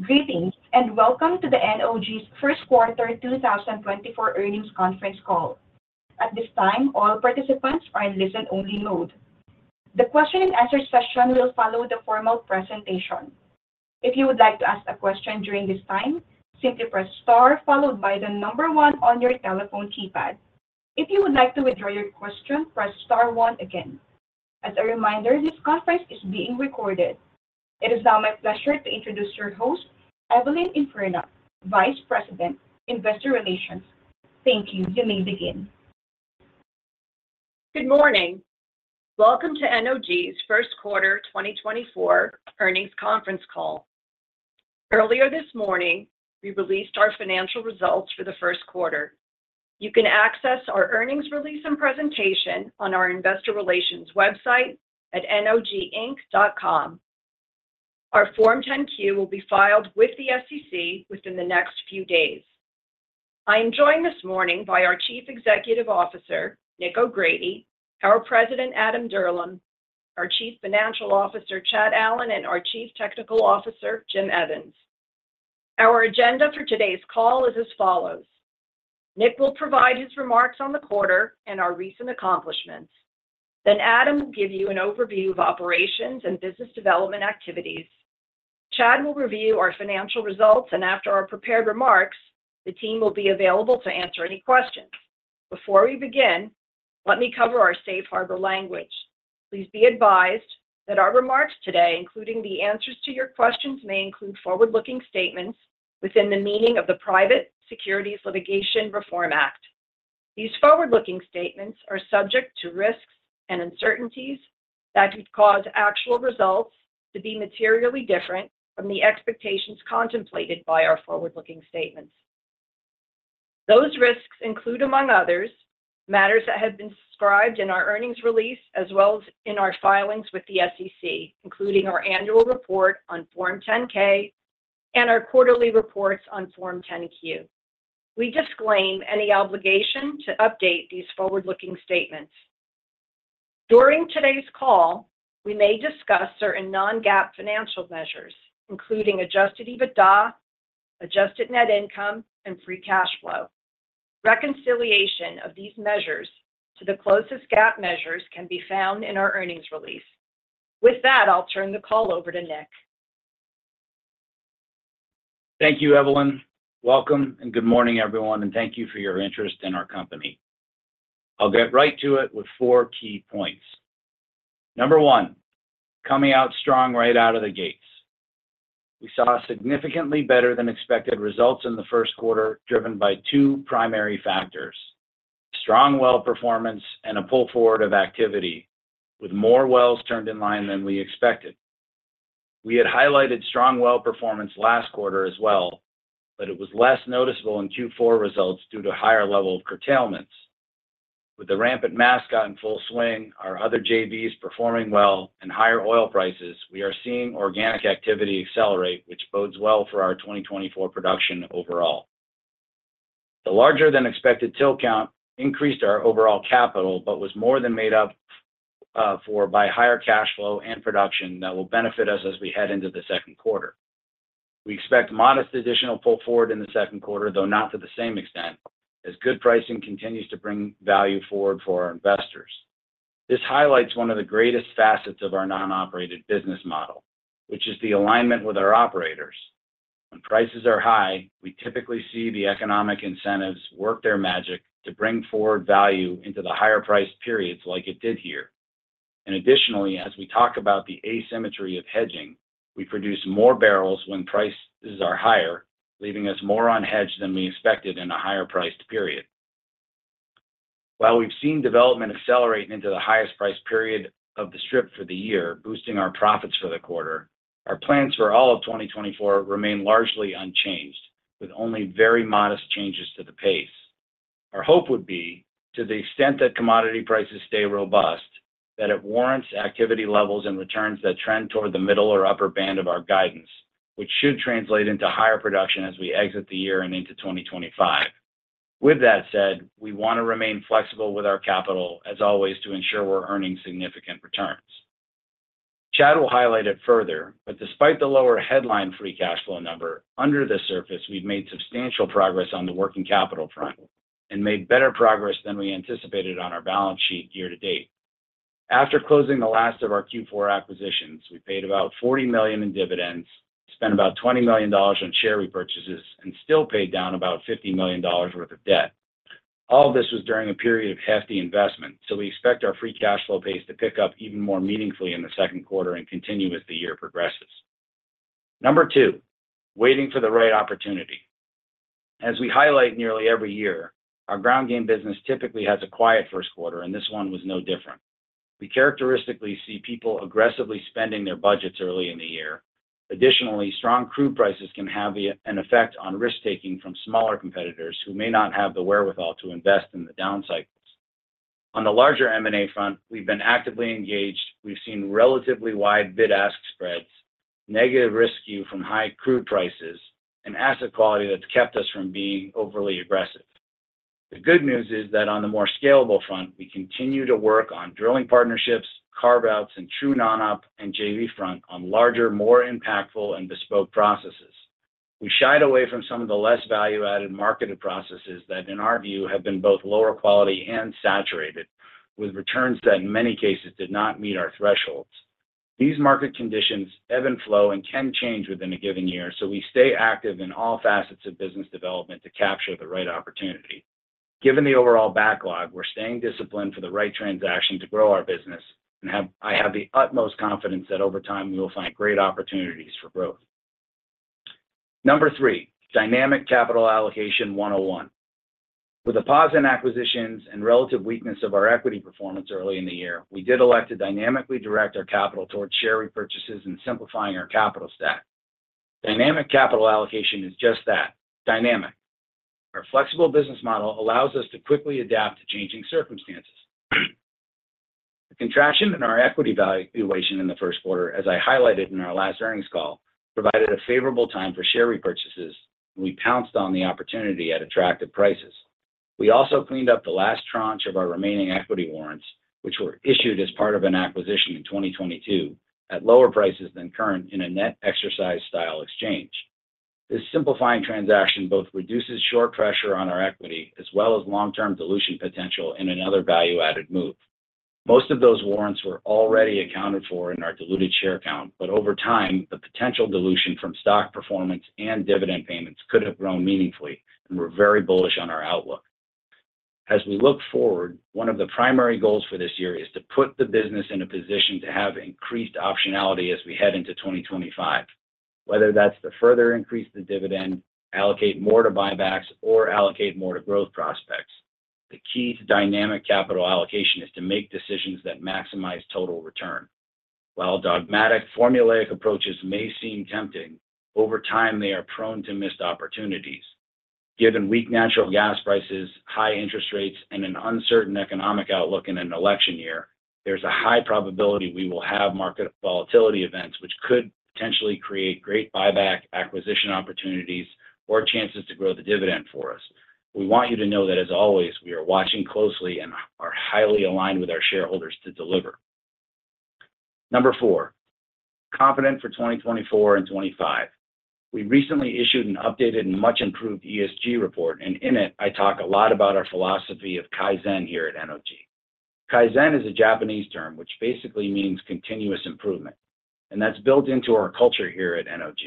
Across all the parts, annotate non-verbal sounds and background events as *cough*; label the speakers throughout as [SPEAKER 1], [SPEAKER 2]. [SPEAKER 1] Greetings, and welcome to the NOG's first quarter 2024 earnings conference call. At this time, all participants are in listen-only mode. The question and answer session will follow the formal presentation. If you would like to ask a question during this time, simply press Star followed by the number one on your telephone keypad. If you would like to withdraw your question, press star one again. As a reminder, this conference is being recorded. It is now my pleasure to introduce your host, Evelyn Infurna, Vice President, Investor Relations. Thank you. You may begin.
[SPEAKER 2] Good morning. Welcome to NOG's first quarter 2024 earnings conference call. Earlier this morning, we released our financial results for the first quarter. You can access our earnings release and presentation on our investor relations website at noginc.com. Our Form 10-Q will be filed with the SEC within the next few days. I am joined this morning by our Chief Executive Officer, Nick O'Grady, our President, Adam Dirlam, our Chief Financial Officer, Chad Allen, and our Chief Technical Officer, Jim Evans. Our agenda for today's call is as follows: Nick will provide his remarks on the quarter and our recent accomplishments. Then Adam will give you an overview of operations and business development activities. Chad will review our financial results, and after our prepared remarks, the team will be available to answer any questions. Before we begin, let me cover our safe harbor language. Please be advised that our remarks today, including the answers to your questions, may include forward-looking statements within the meaning of the Private Securities Litigation Reform Act. These forward-looking statements are subject to risks and uncertainties that could cause actual results to be materially different from the expectations contemplated by our forward-looking statements. Those risks include, among others, matters that have been described in our earnings release as well as in our filings with the SEC, including our annual report on Form 10-K and our quarterly reports on Form 10-Q. We disclaim any obligation to update these forward-looking statements. During today's call, we may discuss certain non-GAAP financial measures, including Adjusted EBITDA, adjusted net income, and Free Cash Flow. Reconciliation of these measures to the closest GAAP measures can be found in our earnings release. With that, I'll turn the call over to Nick.
[SPEAKER 3] Thank you, Evelyn. Welcome, and good morning, everyone, and thank you for your interest in our company. I'll get right to it with four key points. Number one, coming out strong right out of the gates. We saw significantly better than expected results in the first quarter, driven by two primary factors: strong well performance and a pull forward of activity, with more wells turned in line than we expected. We had highlighted strong well performance last quarter as well, but it was less noticeable in Q4 results due to higher level of curtailments. With the ramp at Mascot in full swing, our other JVs performing well and higher oil prices, we are seeing organic activity accelerate, which bodes well for our 2024 production overall. The larger than expected TIL count increased our overall capital, but was more than made up for by higher cash flow and production that will benefit us as we head into the second quarter. We expect modest additional pull forward in the second quarter, though not to the same extent, as good pricing continues to bring value forward for our investors. This highlights one of the greatest facets of our non-operated business model, which is the alignment with our operators. When prices are high, we typically see the economic incentives work their magic to bring forward value into the higher price periods like it did here. And additionally, as we talk about the asymmetry of hedging, we produce more barrels when prices are higher, leaving us more unhedged than we expected in a higher priced period. While we've seen development accelerating into the highest price period of the strip for the year, boosting our profits for the quarter, our plans for all of 2024 remain largely unchanged, with only very modest changes to the pace. Our hope would be, to the extent that commodity prices stay robust, that it warrants activity levels and returns that trend toward the middle or upper band of our guidance, which should translate into higher production as we exit the year and into 2025. With that said, we want to remain flexible with our capital, as always, to ensure we're earning significant returns. Chad will highlight it further, but despite the lower headline free cash flow number, under the surface, we've made substantial progress on the working capital front and made better progress than we anticipated on our balance sheet year to date. After closing the last of our Q4 acquisitions, we paid about $40 million in dividends, spent about $20 million on share repurchases, and still paid down about $50 million worth of debt. All of this was during a period of hefty investment, so we expect our free cash flow pace to pick up even more meaningfully in the second quarter and continue as the year progresses. Number two, waiting for the right opportunity. As we highlight nearly every year, our ground game business typically has a quiet first quarter, and this one was no different. We characteristically see people aggressively spending their budgets early in the year. Additionally, strong crude prices can have an effect on risk-taking from smaller competitors who may not have the wherewithal to invest in the down cycles. On the larger M&A front, we've been actively engaged. We've seen relatively wide bid-ask spreads, negative risk view from high crude prices and asset quality that's kept us from being overly aggressive.... The good news is that on the more scalable front, we continue to work on drilling partnerships, carve-outs, and true non-op and JV front on larger, more impactful and bespoke processes. We shied away from some of the less value-added marketed processes that, in our view, have been both lower quality and saturated, with returns that in many cases did not meet our thresholds. These market conditions ebb and flow and can change within a given year, so we stay active in all facets of business development to capture the right opportunity. Given the overall backlog, we're staying disciplined for the right transaction to grow our business, and have-- I have the utmost confidence that over time, we will find great opportunities for growth. Number three, dynamic capital allocation 101. With a pause in acquisitions and relative weakness of our equity performance early in the year, we did elect to dynamically direct our capital towards share repurchases and simplifying our capital stack. Dynamic capital allocation is just that, dynamic. Our flexible business model allows us to quickly adapt to changing circumstances. The contraction in our equity valuation in the first quarter, as I highlighted in our last earnings call, provided a favorable time for share repurchases, and we pounced on the opportunity at attractive prices. We also cleaned up the last tranche of our remaining equity warrants, which were issued as part of an acquisition in 2022, at lower prices than current in a net exercise style exchange. This simplifying transaction both reduces short pressure on our equity as well as long-term dilution potential in another value-added move. Most of those warrants were already accounted for in our diluted share count, but over time, the potential dilution from stock performance and dividend payments could have grown meaningfully, and we're very bullish on our outlook. As we look forward, one of the primary goals for this year is to put the business in a position to have increased optionality as we head into 2025. Whether that's to further increase the dividend, allocate more to buybacks, or allocate more to growth prospects, the key to dynamic capital allocation is to make decisions that maximize total return. While dogmatic, formulaic approaches may seem tempting, over time, they are prone to missed opportunities. Given weak natural gas prices, high interest rates, and an uncertain economic outlook in an election year, there's a high probability we will have market volatility events, which could potentially create great buyback acquisition opportunities or chances to grow the dividend for us. We want you to know that, as always, we are watching closely and are highly aligned with our shareholders to deliver. Number four, confident for 2024 and 2025. We recently issued an updated and much improved ESG report, and in it, I talk a lot about our philosophy of Kaizen here at NOG. Kaizen is a Japanese term, which basically means continuous improvement, and that's built into our culture here at NOG.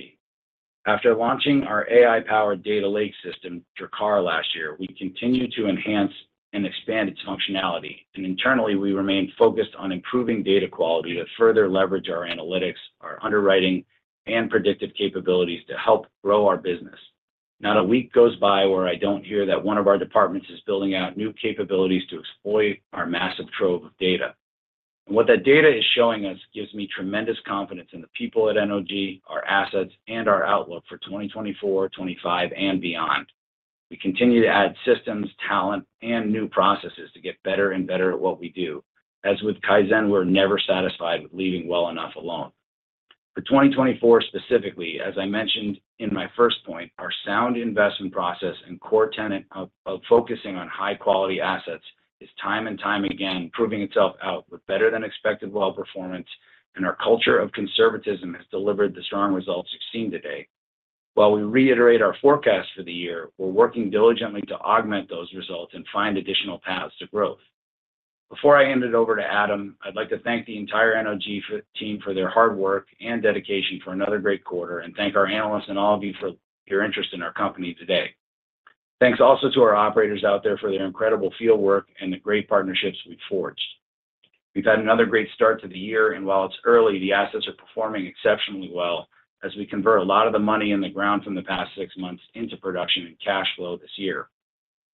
[SPEAKER 3] After launching our AI-powered data lake system, Drakkar, last year, we continue to enhance and expand its functionality, and internally, we remain focused on improving data quality to further leverage our analytics, our underwriting, and predictive capabilities to help grow our business. Not a week goes by where I don't hear that one of our departments is building out new capabilities to exploit our massive trove of data. What that data is showing us gives me tremendous confidence in the people at NOG, our assets, and our outlook for 2024, 2025, and beyond. We continue to add systems, talent, and new processes to get better and better at what we do. As with Kaizen, we're never satisfied with leaving well enough alone. For 2024, specifically, as I mentioned in my first point, our sound investment process and core tenet of focusing on high-quality assets is time and time again proving itself out with better-than-expected well performance, and our culture of conservatism has delivered the strong results you've seen today. While we reiterate our forecast for the year, we're working diligently to augment those results and find additional paths to growth. Before I hand it over to Adam, I'd like to thank the entire NOG team for their hard work and dedication for another great quarter, and thank our analysts and all of you for your interest in our company today. Thanks also to our operators out there for their incredible field work and the great partnerships we've forged. We've had another great start to the year, and while it's early, the assets are performing exceptionally well as we convert a lot of the money in the ground from the past six months into production and cash flow this year.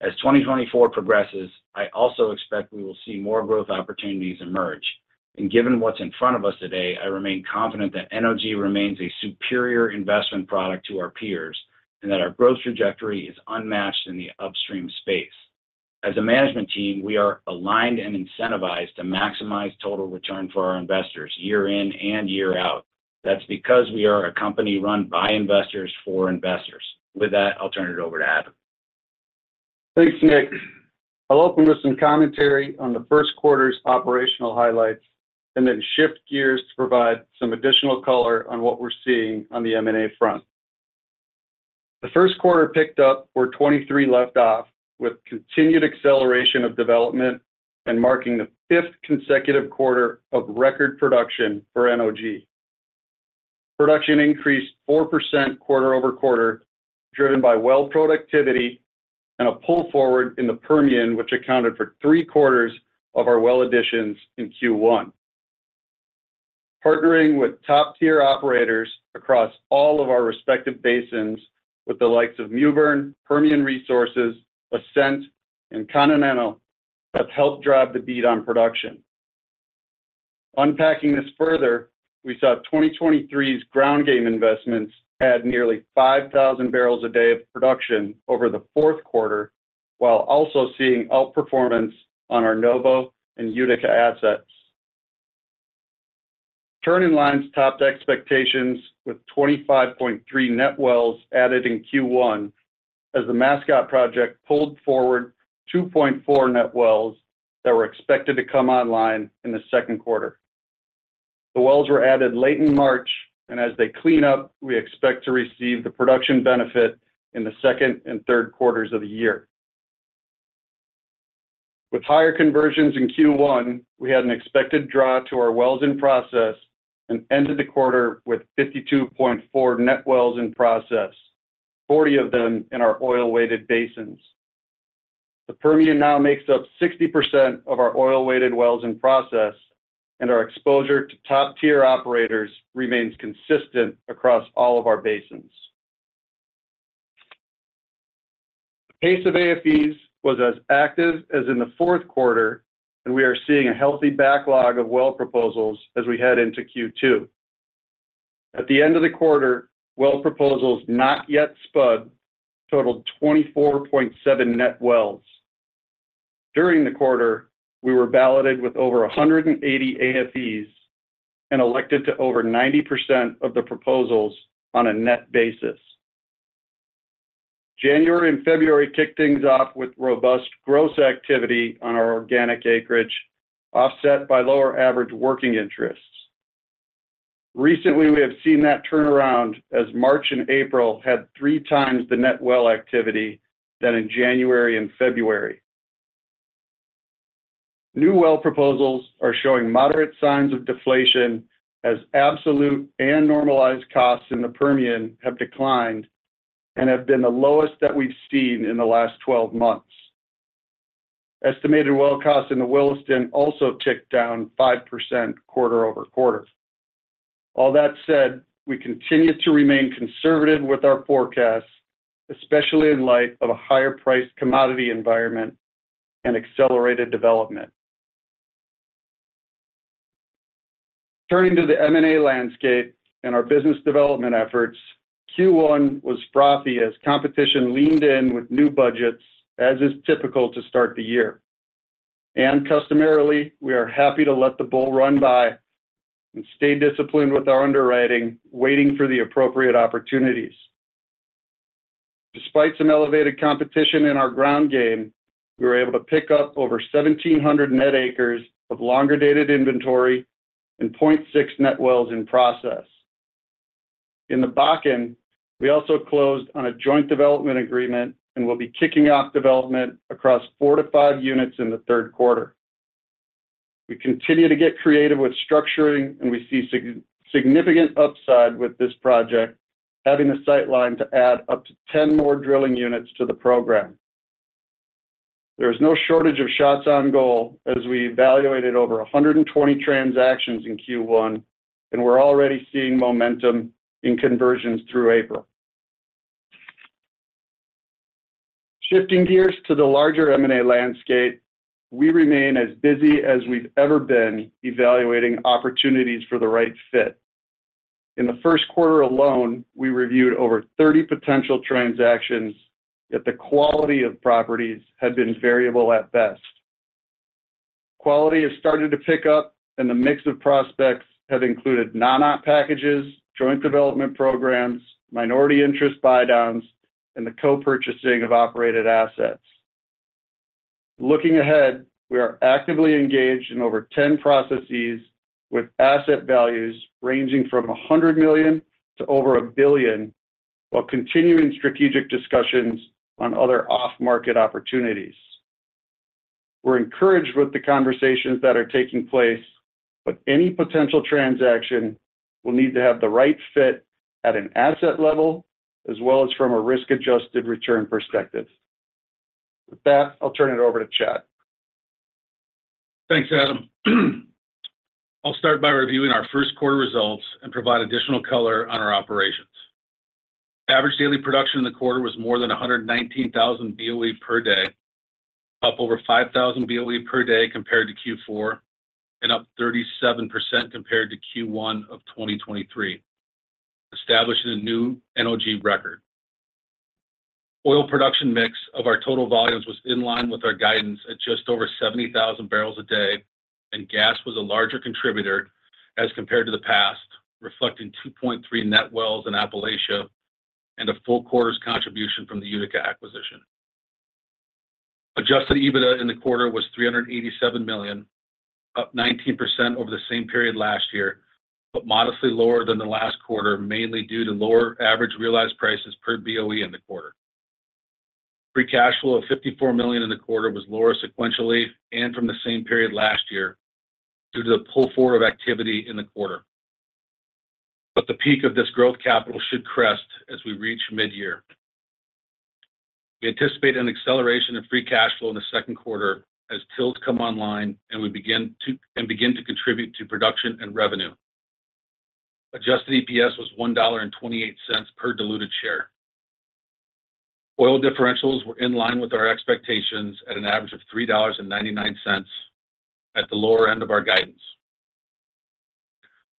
[SPEAKER 3] As 2024 progresses, I also expect we will see more growth opportunities emerge. Given what's in front of us today, I remain confident that NOG remains a superior investment product to our peers, and that our growth trajectory is unmatched in the upstream space. As a management team, we are aligned and incentivized to maximize total return for our investors year in and year out. That's because we are a company run by investors, for investors. With that, I'll turn it over to Adam.
[SPEAKER 4] Thanks, Nick. I'll open with some commentary on the first quarter's operational highlights, and then shift gears to provide some additional color on what we're seeing on the M&A front. The first quarter picked up where 2023 left off, with continued acceleration of development and marking the 5th consecutive quarter of record production for NOG. Production increased 4% quarter-over-quarter, driven by well productivity and a pull forward in the Permian, which accounted for three-quarters of our well additions in Q1. Partnering with top-tier operators across all of our respective basins, with the likes of Mewbourne, Permian Resources, Ascent, and Continental, have helped drive the beat on production. Unpacking this further, we saw 2023's ground game investments add nearly 5,000 barrels a day of production over the fourth quarter, while also seeing outperformance on our Novo and Utica assets.... Turn-in-lines topped expectations with 25.3 net wells added in Q1, as the Mascot project pulled forward 2.4 net wells that were expected to come online in the second quarter. The wells were added late in March, and as they clean up, we expect to receive the production benefit in the second and third quarters of the year. With higher conversions in Q1, we had an expected draw to our wells in process and ended the quarter with 52.4 net wells in process, 40 of them in our oil-weighted basins. The Permian now makes up 60% of our oil-weighted wells in process, and our exposure to top-tier operators remains consistent across all of our basins. The pace of AFEs was as active as in the fourth quarter, and we are seeing a healthy backlog of well proposals as we head into Q2. At the end of the quarter, well proposals not yet spud totaled 24.7 net wells. During the quarter, we were balloted with over 180 AFEs and elected to over 90% of the proposals on a net basis. January and February kicked things off with robust gross activity on our organic acreage, offset by lower average working interests. Recently, we have seen that turnaround as March and April had 3 times the net well activity than in January and February. New well proposals are showing moderate signs of deflation as absolute and normalized costs in the Permian have declined and have been the lowest that we've seen in the last 12 months. Estimated well costs in the Williston also ticked down 5% quarter-over-quarter. All that said, we continue to remain conservative with our forecasts, especially in light of a higher-priced commodity environment and accelerated development. Turning to the M&A landscape and our business development efforts, Q1 was frothy as competition leaned in with new budgets, as is typical to start the year. Customarily, we are happy to let the bull run by and stay disciplined with our underwriting, waiting for the appropriate opportunities. Despite some elevated competition in our ground game, we were able to pick up over 1,700 net acres of longer-dated inventory and 0.6 net wells in process. In the Bakken, we also closed on a joint development agreement and will be kicking off development across 4-5 units in the third quarter. We continue to get creative with structuring, and we see significant upside with this project, having a sightline to add up to 10 more drilling units to the program. There is no shortage of shots on goal as we evaluated over 120 transactions in Q1, and we're already seeing momentum in conversions through April. Shifting gears to the larger M&A landscape, we remain as busy as we've ever been evaluating opportunities for the right fit. In the first quarter alone, we reviewed over 30 potential transactions, yet the quality of properties had been variable at best. Quality has started to pick up, and the mix of prospects have included non-op packages, joint development programs, minority interest buy downs, and the co-purchasing of operated assets. Looking ahead, we are actively engaged in over 10 processes with asset values ranging from $100 million to over $1 billion, while continuing strategic discussions on other off-market opportunities. We're encouraged with the conversations that are taking place, but any potential transaction will need to have the right fit at an asset level, as well as from a risk-adjusted return perspective. With that, I'll turn it over to Chad.
[SPEAKER 5] Thanks, Adam. I'll start by reviewing our first quarter results and provide additional color on our operations. Average daily production in the quarter was more than 119,000 BOE per day, up over 5,000 BOE per day compared to Q4, and up 37% compared to Q1 of 2023, establishing a new NOG record. Oil production mix of our total volumes was in line with our guidance at just over 70,000 barrels a day, and gas was a larger contributor as compared to the past, reflecting 2.3 net wells in Appalachia and a full quarter's contribution from the Utica acquisition. Adjusted EBITDA in the quarter was $387 million, up 19% over the same period last year, but modestly lower than the last quarter, mainly due to lower average realized prices per BOE in the quarter. Free cash flow of $54 million in the quarter was lower sequentially and from the same period last year due to the pull forward of activity in the quarter. But the peak of this growth capital should crest as we reach mid-year. We anticipate an acceleration of free cash flow in the second quarter as TILs come online and we begin to contribute to production and revenue. Adjusted EPS was $1.28 per diluted share. Oil differentials were in line with our expectations at an average of $3.99 at the lower end of our guidance.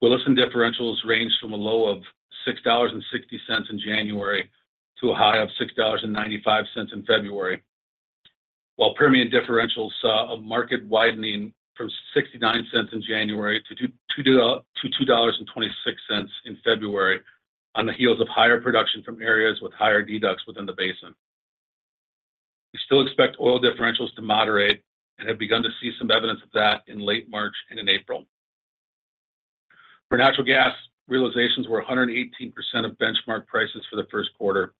[SPEAKER 5] Williston differentials ranged from a low of $6.60 in January to a high of $6.95 in February. While Permian differentials saw a market widening from 69 cents in January to $2-$2.26 in February on the heels of higher production from areas with higher deducts within the basin. We still expect oil differentials to moderate and have begun to see some evidence of that in late March and in April. For natural gas, realizations were 118% of benchmark prices for the first quarter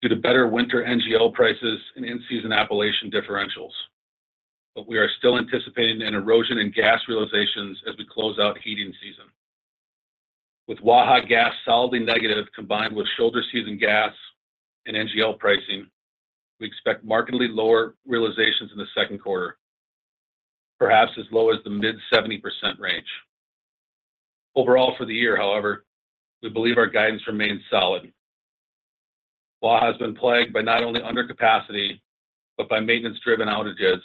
[SPEAKER 5] due to better winter NGL prices and in-season Appalachian differentials. But we are still anticipating an erosion in gas realizations as we close out heating season. With Waha Gas solidly negative, combined with shoulder season gas and NGL pricing, we expect markedly lower realizations in the second quarter, perhaps as low as the mid-70% range. Overall for the year, however, we believe our guidance remains solid. Waha has been plagued by not only under capacity, but by maintenance-driven outages,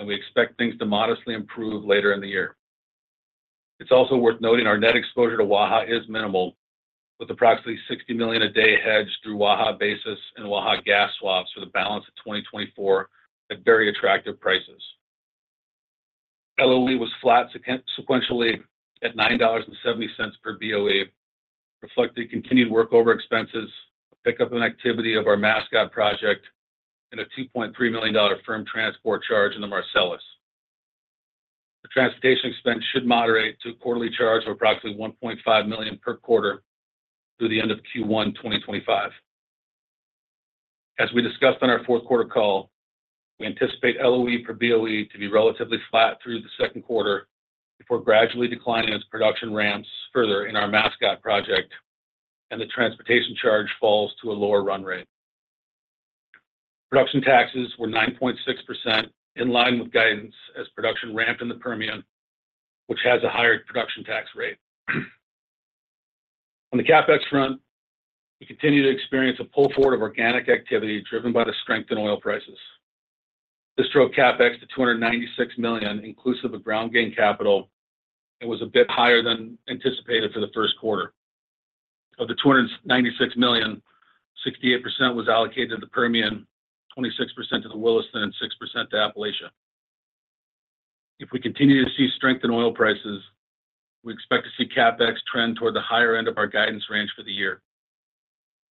[SPEAKER 5] and we expect things to modestly improve later in the year. It's also worth noting our net exposure to Waha is minimal, with approximately $60 million a day hedged through Waha basis and Waha gas swaps for the balance of 2024 at very attractive prices. LOE was flat sequentially at $9.70 per BOE, reflecting continued work over expenses, pickup and activity of our Mascot project, and a $2.3 million firm transport charge in the Marcellus. The transportation expense should moderate to a quarterly charge of approximately $1.5 million per quarter through the end of Q1 2025. As we discussed on our fourth quarter call, we anticipate LOE per BOE to be relatively flat through the second quarter before gradually declining as production ramps further in our Mascot project and the transportation charge falls to a lower run rate. Production taxes were 9.6%, in line with guidance as production ramped in the Permian, which has a higher production tax rate. On the CapEx front, we continue to experience a pull forward of organic activity, driven by the strength in oil prices. This drove CapEx to $296 million, inclusive of ground game capital, and was a bit higher than anticipated for the first quarter. Of the $296 million, 68% was allocated to the Permian, 26% to the Williston, and 6% to Appalachia. If we continue to see strength in oil prices, we expect to see CapEx trend toward the higher end of our guidance range for the year.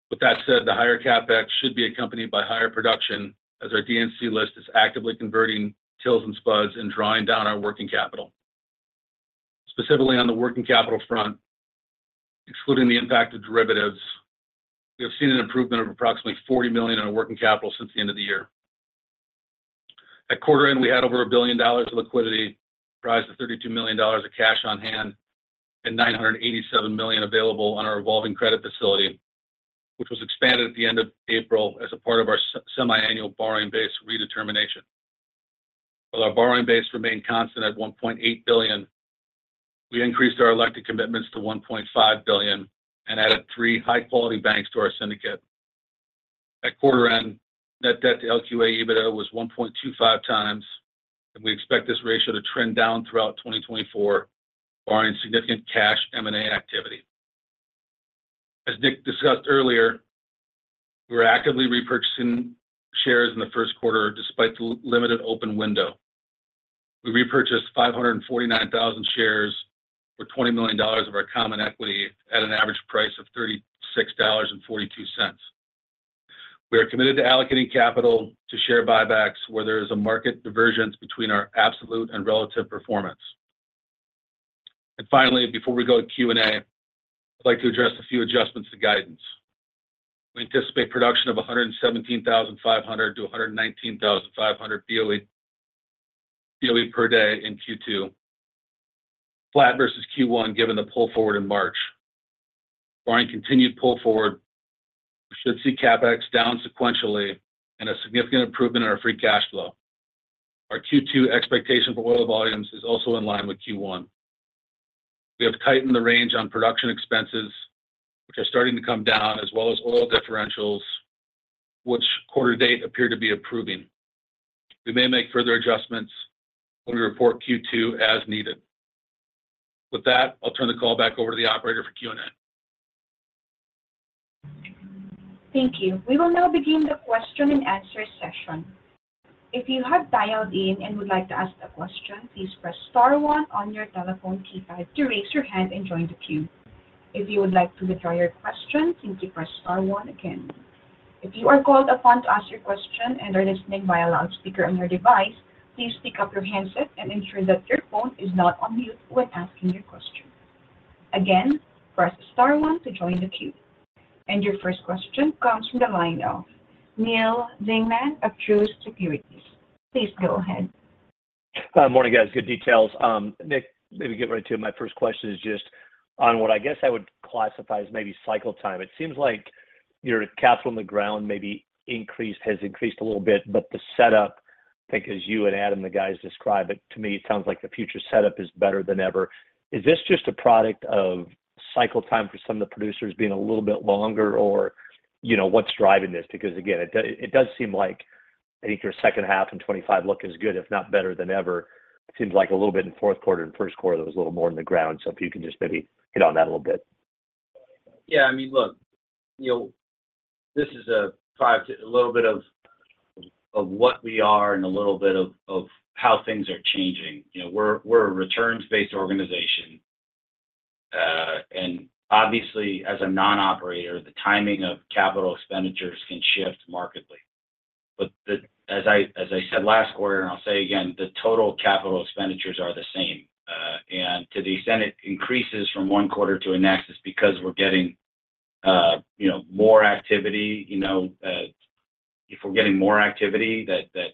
[SPEAKER 5] With that said, the higher CapEx should be accompanied by higher production, as our D&C list is actively converting TILs and spuds and drawing down our working capital. Specifically on the working capital front, excluding the impact of derivatives, we have seen an improvement of approximately $40 million in our working capital since the end of the year. At quarter end, we had over $1 billion of liquidity, comprised of $32 million of cash on hand and $987 million available on our revolving credit facility, which was expanded at the end of April as a part of our semi-annual borrowing base redetermination. While our borrowing base remained constant at $1.8 billion, we increased our elected commitments to $1.5 billion and added three high-quality banks to our syndicate. At quarter end, net debt to LQA EBITDA was 1.25 times, and we expect this ratio to trend down throughout 2024, barring significant cash M&A activity. As Nick discussed earlier, we were actively repurchasing shares in the first quarter despite the limited open window. We repurchased 549,000 shares, or $20 million of our common equity at an average price of $36.42. We are committed to allocating capital to share buybacks where there is a market divergence between our absolute and relative performance. And finally, before we go to Q&A, I'd like to address a few adjustments to guidance. We anticipate production of 117,500 to 119,500 BOE per day in Q2, flat versus Q1, given the pull forward in March. Barring continued pull forward, we should see CapEx down sequentially and a significant improvement in our Free Cash Flow. Our Q2 expectation for oil volumes is also in line with Q1. We have tightened the range on production expenses, which are starting to come down, as well as oil differentials, which quarter to date appear to be improving. We may make further adjustments when we report Q2 as needed. With that, I'll turn the call back over to the operator for Q&A.
[SPEAKER 1] Thank you. We will now begin the question and answer session. If you have dialed in and would like to ask a question, please press star one on your telephone keypad to raise your hand and join the queue. If you would like to withdraw your question, simply press star one again. If you are called upon to ask your question and are listening via loudspeaker on your device, please pick up your handset and ensure that your phone is not on mute when asking your question. Again, press star one to join the queue. Your first question comes from the line of Neal Dingmann of Truist Securities. Please go ahead.
[SPEAKER 6] Morning, guys. Good details. Nick, let me get right to it. My first question is just on what I guess I would classify as maybe cycle time. It seems like your capital on the ground maybe increased, has increased a little bit, but the setup, I think, as you and Adam, the guys describe it, to me, it sounds like the future setup is better than ever. Is this just a product of cycle time for some of the producers being a little bit longer, or, you know, what's driving this? Because, again, it, it does seem like I think your second half in 2025 looks as good, if not better than ever. It seems like a little bit in fourth quarter and first quarter, there was a little more in the ground. So if you can just maybe hit on that a little bit....
[SPEAKER 3] Yeah, I mean, look, you know, this is a function of a little bit of what we are and a little bit of how things are changing. You know, we're a returns-based organization. And obviously, as a non-operator, the timing of capital expenditures can shift markedly. But as I said last quarter, and I'll say again, the total capital expenditures are the same, and to the extent it increases from one quarter to the next, is because we're getting, you know, more activity. You know, if we're getting more activity that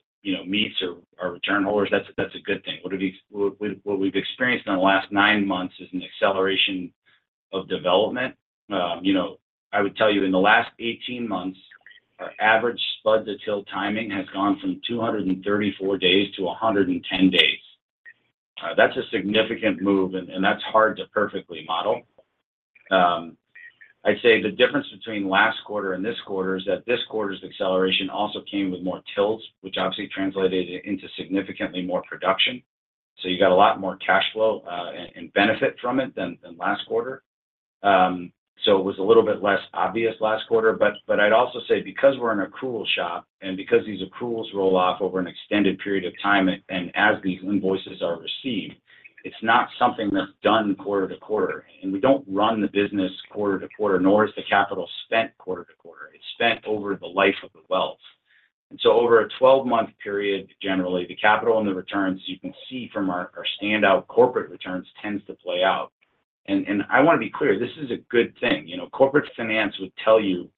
[SPEAKER 3] meets our return holders, that's a good thing. What we've experienced in the last 9 months is an acceleration of development. You know, I would tell you, in the last 18 months, our average spud to TIL timing has gone from 234 days to 110 days. That's a significant move, and, and that's hard to perfectly model. I'd say the difference between last quarter and this quarter is that this quarter's acceleration also came with more TILs, which obviously translated into significantly more production. So you got a lot more cash flow, and, and benefit from it than, than last quarter. So it was a little bit less obvious last quarter. But I'd also say because we're an accrual shop and because these accruals roll off over an extended period of time, and as these invoices are received, it's not something that's done quarter to quarter, and we don't run the business quarter to quarter, nor is the capital spent quarter to quarter. It's spent over the life of the wells. And so over a 12-month period, generally, the capital and the returns, you can see from our standout corporate returns, tends to play out. And I wanna be clear, this is a good thing. You know, corporate finance would tell you,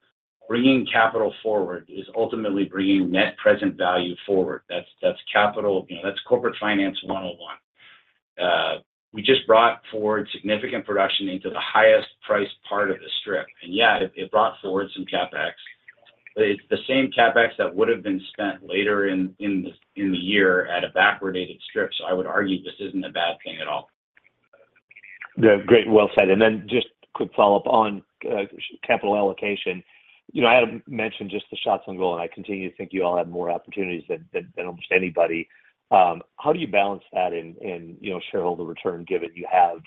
[SPEAKER 3] bringing capital forward is ultimately bringing net present value forward. That's capital. You know, that's corporate finance one-on-one. We just brought forward significant production into the highest priced part of the strip, and yet it brought forward some CapEx. But it's the same CapEx that would have been spent later in the year at a backwardated strip, so I would argue this isn't a bad thing at all.
[SPEAKER 6] Yeah, great. Well said. And then just quick follow-up on capital allocation. You know, Adam mentioned just the shots on goal, and I continue to think you all have more opportunities than almost anybody. How do you balance that in you know, shareholder return, given you have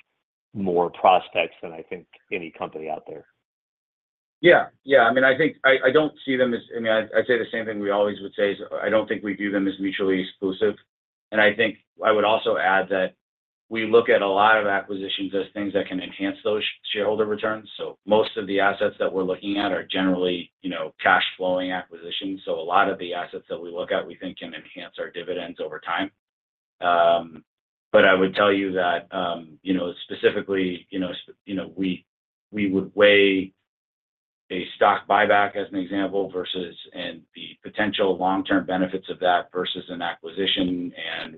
[SPEAKER 6] more prospects than, I think, any company out there?
[SPEAKER 3] Yeah, yeah. I mean, I think I don't see them as—I mean, I'd say the same thing we always would say is, I don't think we view them as mutually exclusive. And I think I would also add that we look at a lot of acquisitions as things that can enhance those shareholder returns. So most of the assets that we're looking at are generally, you know, cash flowing acquisitions. So a lot of the assets that we look at, we think can enhance our dividends over time. But I would tell you that, you know, specifically, you know, you know, we would weigh a stock buyback as an example, versus... and the potential long-term benefits of that versus an acquisition, and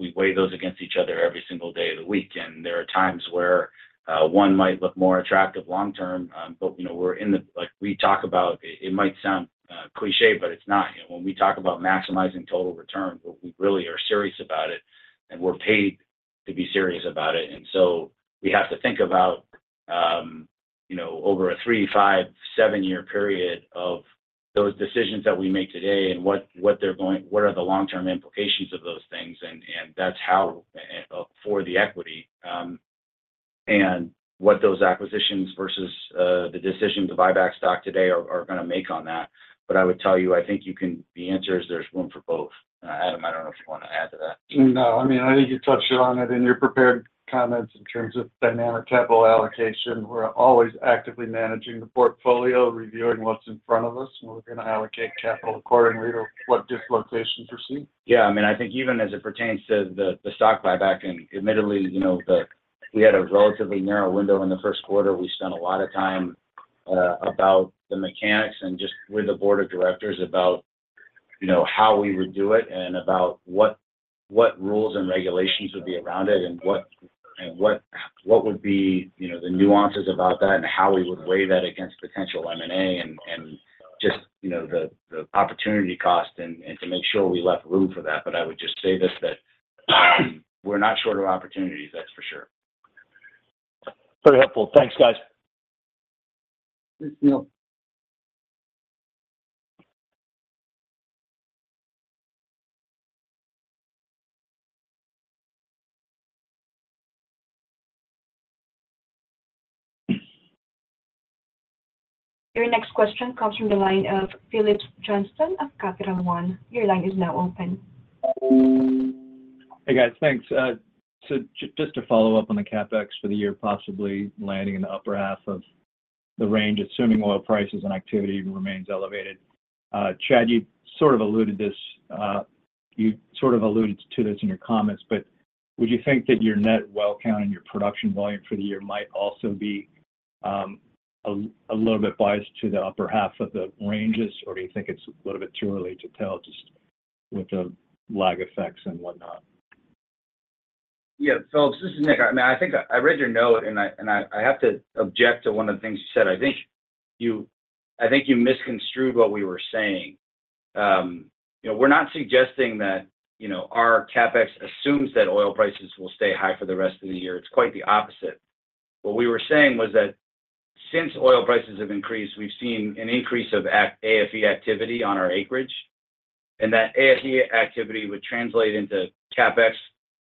[SPEAKER 3] we weigh those against each other every single day of the week. There are times where one might look more attractive long term, but you know, we're in the—like we talk about, it might sound cliché, but it's not. You know, when we talk about maximizing total returns, but we really are serious about it, and we're paid to be serious about it. So we have to think about you know, over a 3, 5, 7-year period of those decisions that we make today and what, what they're going, what are the long-term implications of those things, and that's how, for the equity, and what those acquisitions versus the decision to buy back stock today are gonna make on that. But I would tell you, I think you can, the answer is there's room for both. Adam, I don't know if you want to add to that.
[SPEAKER 4] No, I mean, I think you touched on it in your prepared comments in terms of dynamic capital allocation. We're always actively managing the portfolio, reviewing what's in front of us, and we're gonna allocate capital accordingly to what dislocations receive.
[SPEAKER 3] Yeah, I mean, I think even as it pertains to the stock buyback, and admittedly, you know, the-- we had a relatively narrow window in the first quarter. We spent a lot of time about the mechanics and just with the board of directors about, you know, how we would do it and about what rules and regulations would be around it and what would be, you know, the nuances about that, and how we would weigh that against potential M&A and just, you know, the opportunity cost and to make sure we left room for that. But I would just say this, that we're not short of opportunities, that's for sure.
[SPEAKER 6] Very helpful. Thanks, guys.
[SPEAKER 4] Thanks, Neil.
[SPEAKER 1] Your next question comes from the line of Phillips Johnston of Capital One. Your line is now open.
[SPEAKER 7] Hey, guys, thanks. So just to follow up on the CapEx for the year, possibly landing in the upper half of the range, assuming oil prices and activity remains elevated. Chad, you sort of alluded this, you sort of alluded to this in your comments, but would you think that your net well count and your production volume for the year might also be a little bit biased to the upper half of the ranges, or do you think it's a little bit too early to tell, just with the lag effects and whatnot?
[SPEAKER 3] Yeah. Phillips, this is Nick. I mean, I think I read your note, and I have to object to one of the things you said. I think you misconstrued what we were saying. You know, we're not suggesting that our CapEx assumes that oil prices will stay high for the rest of the year. It's quite the opposite. What we were saying was that since oil prices have increased, we've seen an increase of AFE activity on our acreage, and that AFE activity would translate into CapEx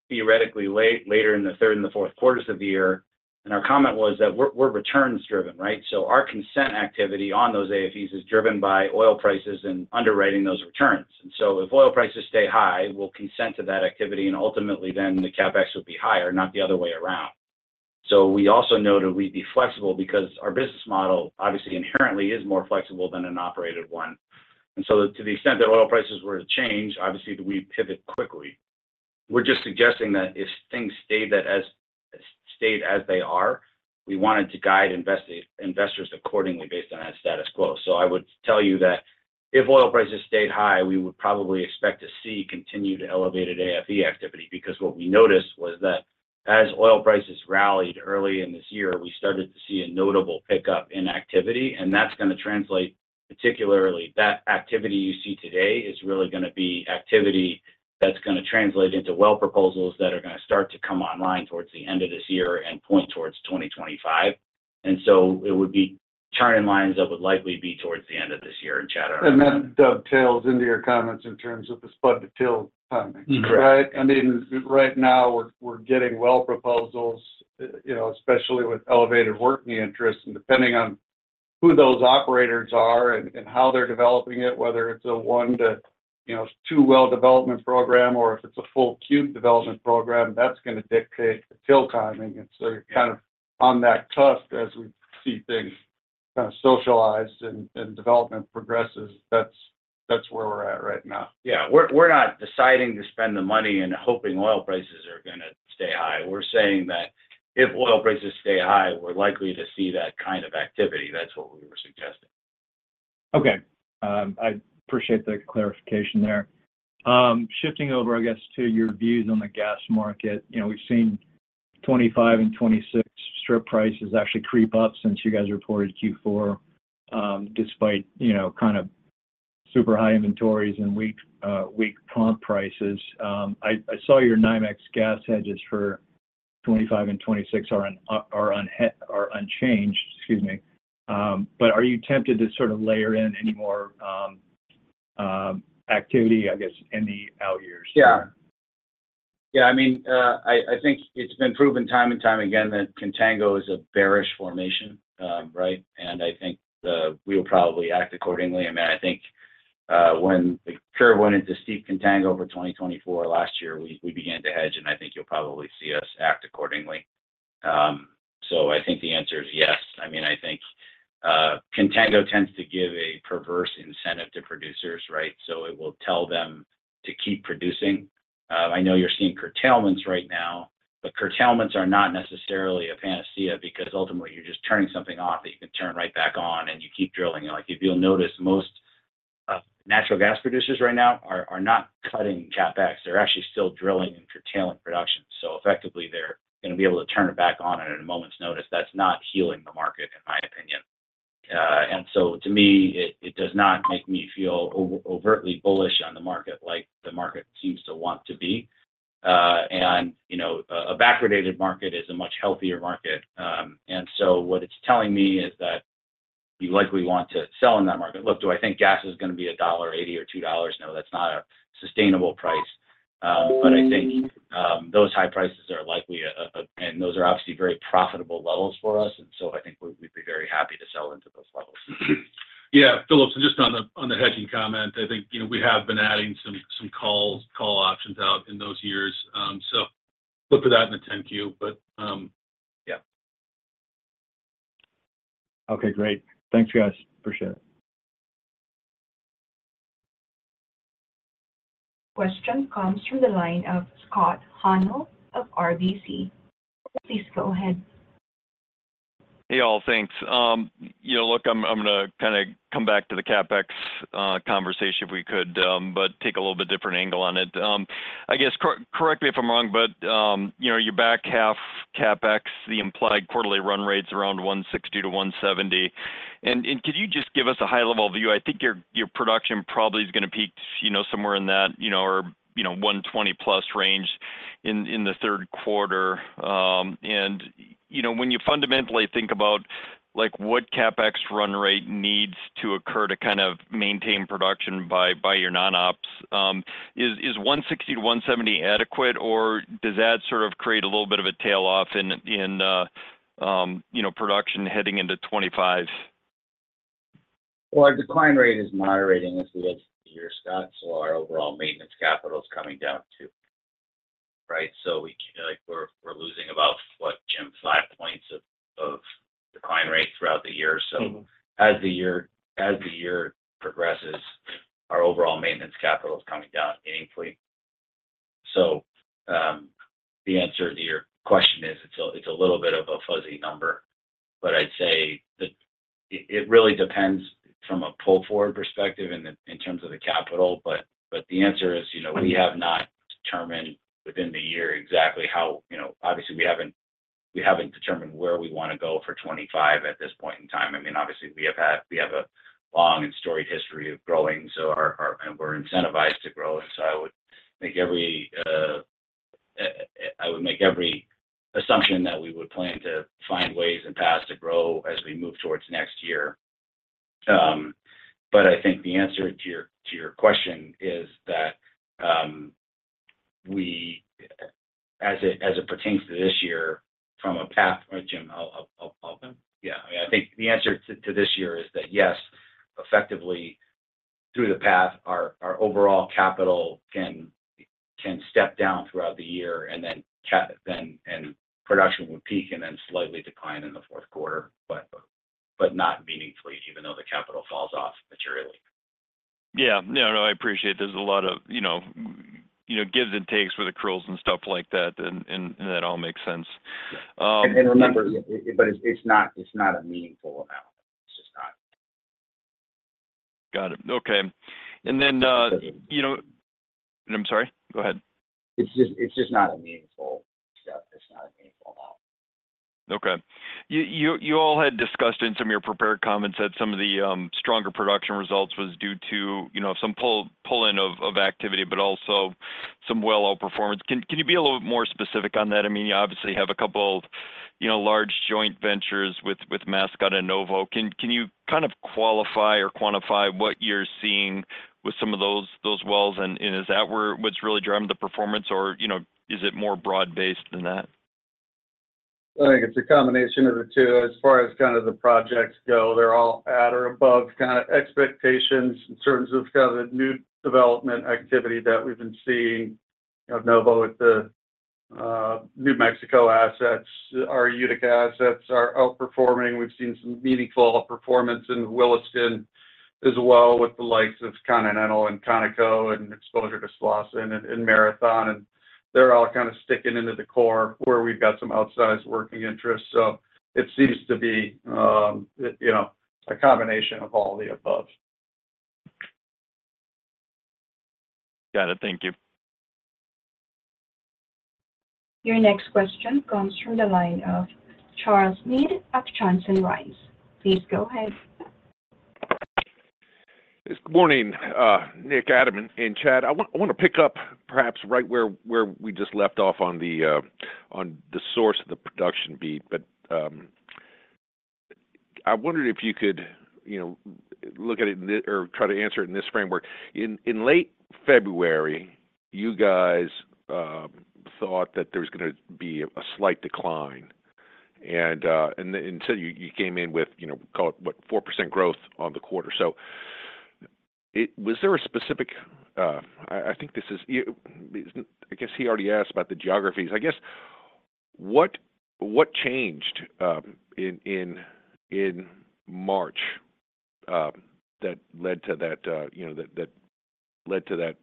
[SPEAKER 3] theoretically later in the third and the fourth quarters of the year. And our comment was that we're returns driven, right? So our consent activity on those AFEs is driven by oil prices and underwriting those returns. And so if oil prices stay high, we'll consent to that activity, and ultimately, then the CapEx will be higher, not the other way around. So we also know that we'd be flexible because our business model obviously inherently is more flexible than an operated one. And so to the extent that oil prices were to change, obviously, we pivot quickly. We're just suggesting that if things stay as they are, we wanted to guide investors accordingly based on that status quo. So I would tell you that if oil prices stayed high, we would probably expect to see continued elevated AFE activity, because what we noticed was that as oil prices rallied early in this year, we started to see a notable pickup in activity, and that's gonna translate, particularly, that activity you see today is really gonna be activity that's gonna translate into well proposals that are gonna start to come online towards the end of this year and point towards 2025. And so it would be turn-in-lines that would likely be towards the end of this year in *inaudible*
[SPEAKER 4] That dovetails into your comments in terms of the spud to TIL timing.
[SPEAKER 3] Mm-hmm.
[SPEAKER 4] Right? I mean, right now, we're getting well proposals, you know, especially with elevated working interest, and depending on who those operators are and how they're developing it, whether it's a 1- to 2-well development program or if it's a full cube development program, that's gonna dictate the TIL timing. It's kind of on that cusp as we see things kind of socialized and development progresses. That's where we're at right now.
[SPEAKER 3] Yeah. We're not deciding to spend the money and hoping oil prices are gonna stay high. We're saying that if oil prices stay high, we're likely to see that kind of activity. That's what we were suggesting.
[SPEAKER 7] Okay. I appreciate the clarification there. Shifting over, I guess, to your views on the gas market. You know, we've seen 2025 and 2026 strip prices actually creep up since you guys reported Q4, despite, you know, kind of super high inventories and weak comp prices. I saw your NYMEX gas hedges for 2025 and 2026 are unchanged, excuse me. But are you tempted to sort of layer in any more activity, I guess, in the out years?
[SPEAKER 3] Yeah. Yeah, I mean, I think it's been proven time and time again that contango is a bearish formation, right? And I think, we'll probably act accordingly. I mean, I think, when the curve went into steep contango for 2024 last year, we began to hedge, and I think you'll probably see us act accordingly. So I think the answer is yes. I mean, I think, contango tends to give a perverse incentive to producers, right? So it will tell them to keep producing. I know you're seeing curtailments right now, but curtailments are not necessarily a panacea because ultimately you're just turning something off that you can turn right back on and you keep drilling. Like, if you'll notice, most, natural gas producers right now are not cutting CapEx. They're actually still drilling and curtailing production. So effectively, they're gonna be able to turn it back on at a moment's notice. That's not healing the market, in my opinion. And so to me, it does not make me feel overtly bullish on the market like the market seems to want to be. And, you know, a backwardated market is a much healthier market, and so what it's telling me is that you likely want to sell in that market. Look, do I think gas is gonna be $1.80 or $2? No, that's not a sustainable price. But I think, those high prices are likely. And those are obviously very profitable levels for us, and so I think we, we'd be very happy to sell into those levels.
[SPEAKER 4] Yeah. Phillips, just on the hedging comment, I think, you know, we have been adding some calls, call options out in those years. So look for that in the 10-Q, but yeah.
[SPEAKER 7] Okay, great. Thanks, guys. Appreciate it.
[SPEAKER 1] Question comes from the line of Scott Hanold of RBC. Please go ahead.
[SPEAKER 8] Hey, all. Thanks. You know, look, I'm gonna kinda come back to the CapEx conversation if we could, but take a little bit different angle on it. I guess, correct me if I'm wrong, but, you know, your back half CapEx, the implied quarterly run rates around $160-$170. And could you just give us a high-level view? I think your production probably is gonna peak, you know, somewhere in that, you know, or, you know, 120+ range in the third quarter. And, you know, when you fundamentally think about, like, what CapEx run rate needs to occur to kind of maintain production by your non-ops, is $160-$170 adequate, or does that sort of create a little bit of a tail off in production heading into 2025?
[SPEAKER 3] Well, our decline rate is moderating as we get to the year, Scott, so our overall maintenance capital is coming down, too, right? So we—like, we're losing about, what, Jim? Five points of decline rate throughout the year or so.
[SPEAKER 4] Mm-hmm.
[SPEAKER 3] As the year progresses, our overall maintenance capital is coming down meaningfully. So, the answer to your question is, it's a little bit of a fuzzy number, but I'd say that it really depends from a pull-forward perspective in terms of the capital. But the answer is, you know, we have not determined within the year exactly how, you know, obviously, we haven't determined where we want to go for 2025 at this point in time. I mean, obviously, we have a long and storied history of growing, so we're incentivized to grow. And so I would think, you know, I would make every assumption that we would plan to find ways and paths to grow as we move towards next year. I think the answer to your question is that we, as it pertains to this year, Jim, I'll open. Yeah, I think the answer to this year is that yes, effectively, through the path, our overall capital can step down throughout the year, and then production would peak and then slightly decline in the fourth quarter, but not meaningfully, even though the capital falls off materially.
[SPEAKER 8] Yeah. No, no, I appreciate there's a lot of, you know, you know, gives and takes with the drills and stuff like that, and that all makes sense.
[SPEAKER 3] And remember, but it's not a meaningful amount. It's just not.
[SPEAKER 8] Got it. Okay. And then, you know... I'm sorry? Go ahead.
[SPEAKER 3] It's just, it's just not a meaningful step. It's not a meaningful amount.
[SPEAKER 8] Okay. You all had discussed in some of your prepared comments that some of the stronger production results was due to, you know, some pull-in of activity, but also some well outperformance. Can you be a little more specific on that? I mean, you obviously have a couple of, you know, large joint ventures with Mascot and Novo. Can you kind of qualify or quantify what you're seeing with some of those wells? And is that where what's really driving the performance or, you know, is it more broad-based than that?
[SPEAKER 4] I think it's a combination of the two. As far as kind of the projects go, they're all at or above kinda expectations in terms of kind of the new development activity that we've been seeing of Novo with the New Mexico assets. Our Utica assets are outperforming. We've seen some meaningful performance in Williston as well, with the likes of Continental and Conoco, and exposure to Slawson and Marathon, and they're all kind of sticking into the core where we've got some outsized working interests. So it seems to be, you know, a combination of all the above.
[SPEAKER 8] Got it. Thank you.
[SPEAKER 1] Your next question comes from the line of Charles Meade of Johnson Rice. Please go ahead.
[SPEAKER 9] Good morning, Nick, Adam, and Chad. I want, I want to pick up perhaps right where, where we just left off on the, on the source of the production beat. But, I wondered if you could, you know, look at it in or try to answer it in this framework. In, in late February, you guys, thought that there was gonna be a slight decline, and, and instead you, you came in with, you know, call it, what, 4% growth on the quarter. So it... Was there a specific, I, I think this is- I guess he already asked about the geographies. I guess, what, what changed, in, in, in March, that led to that, you know, that, that led to that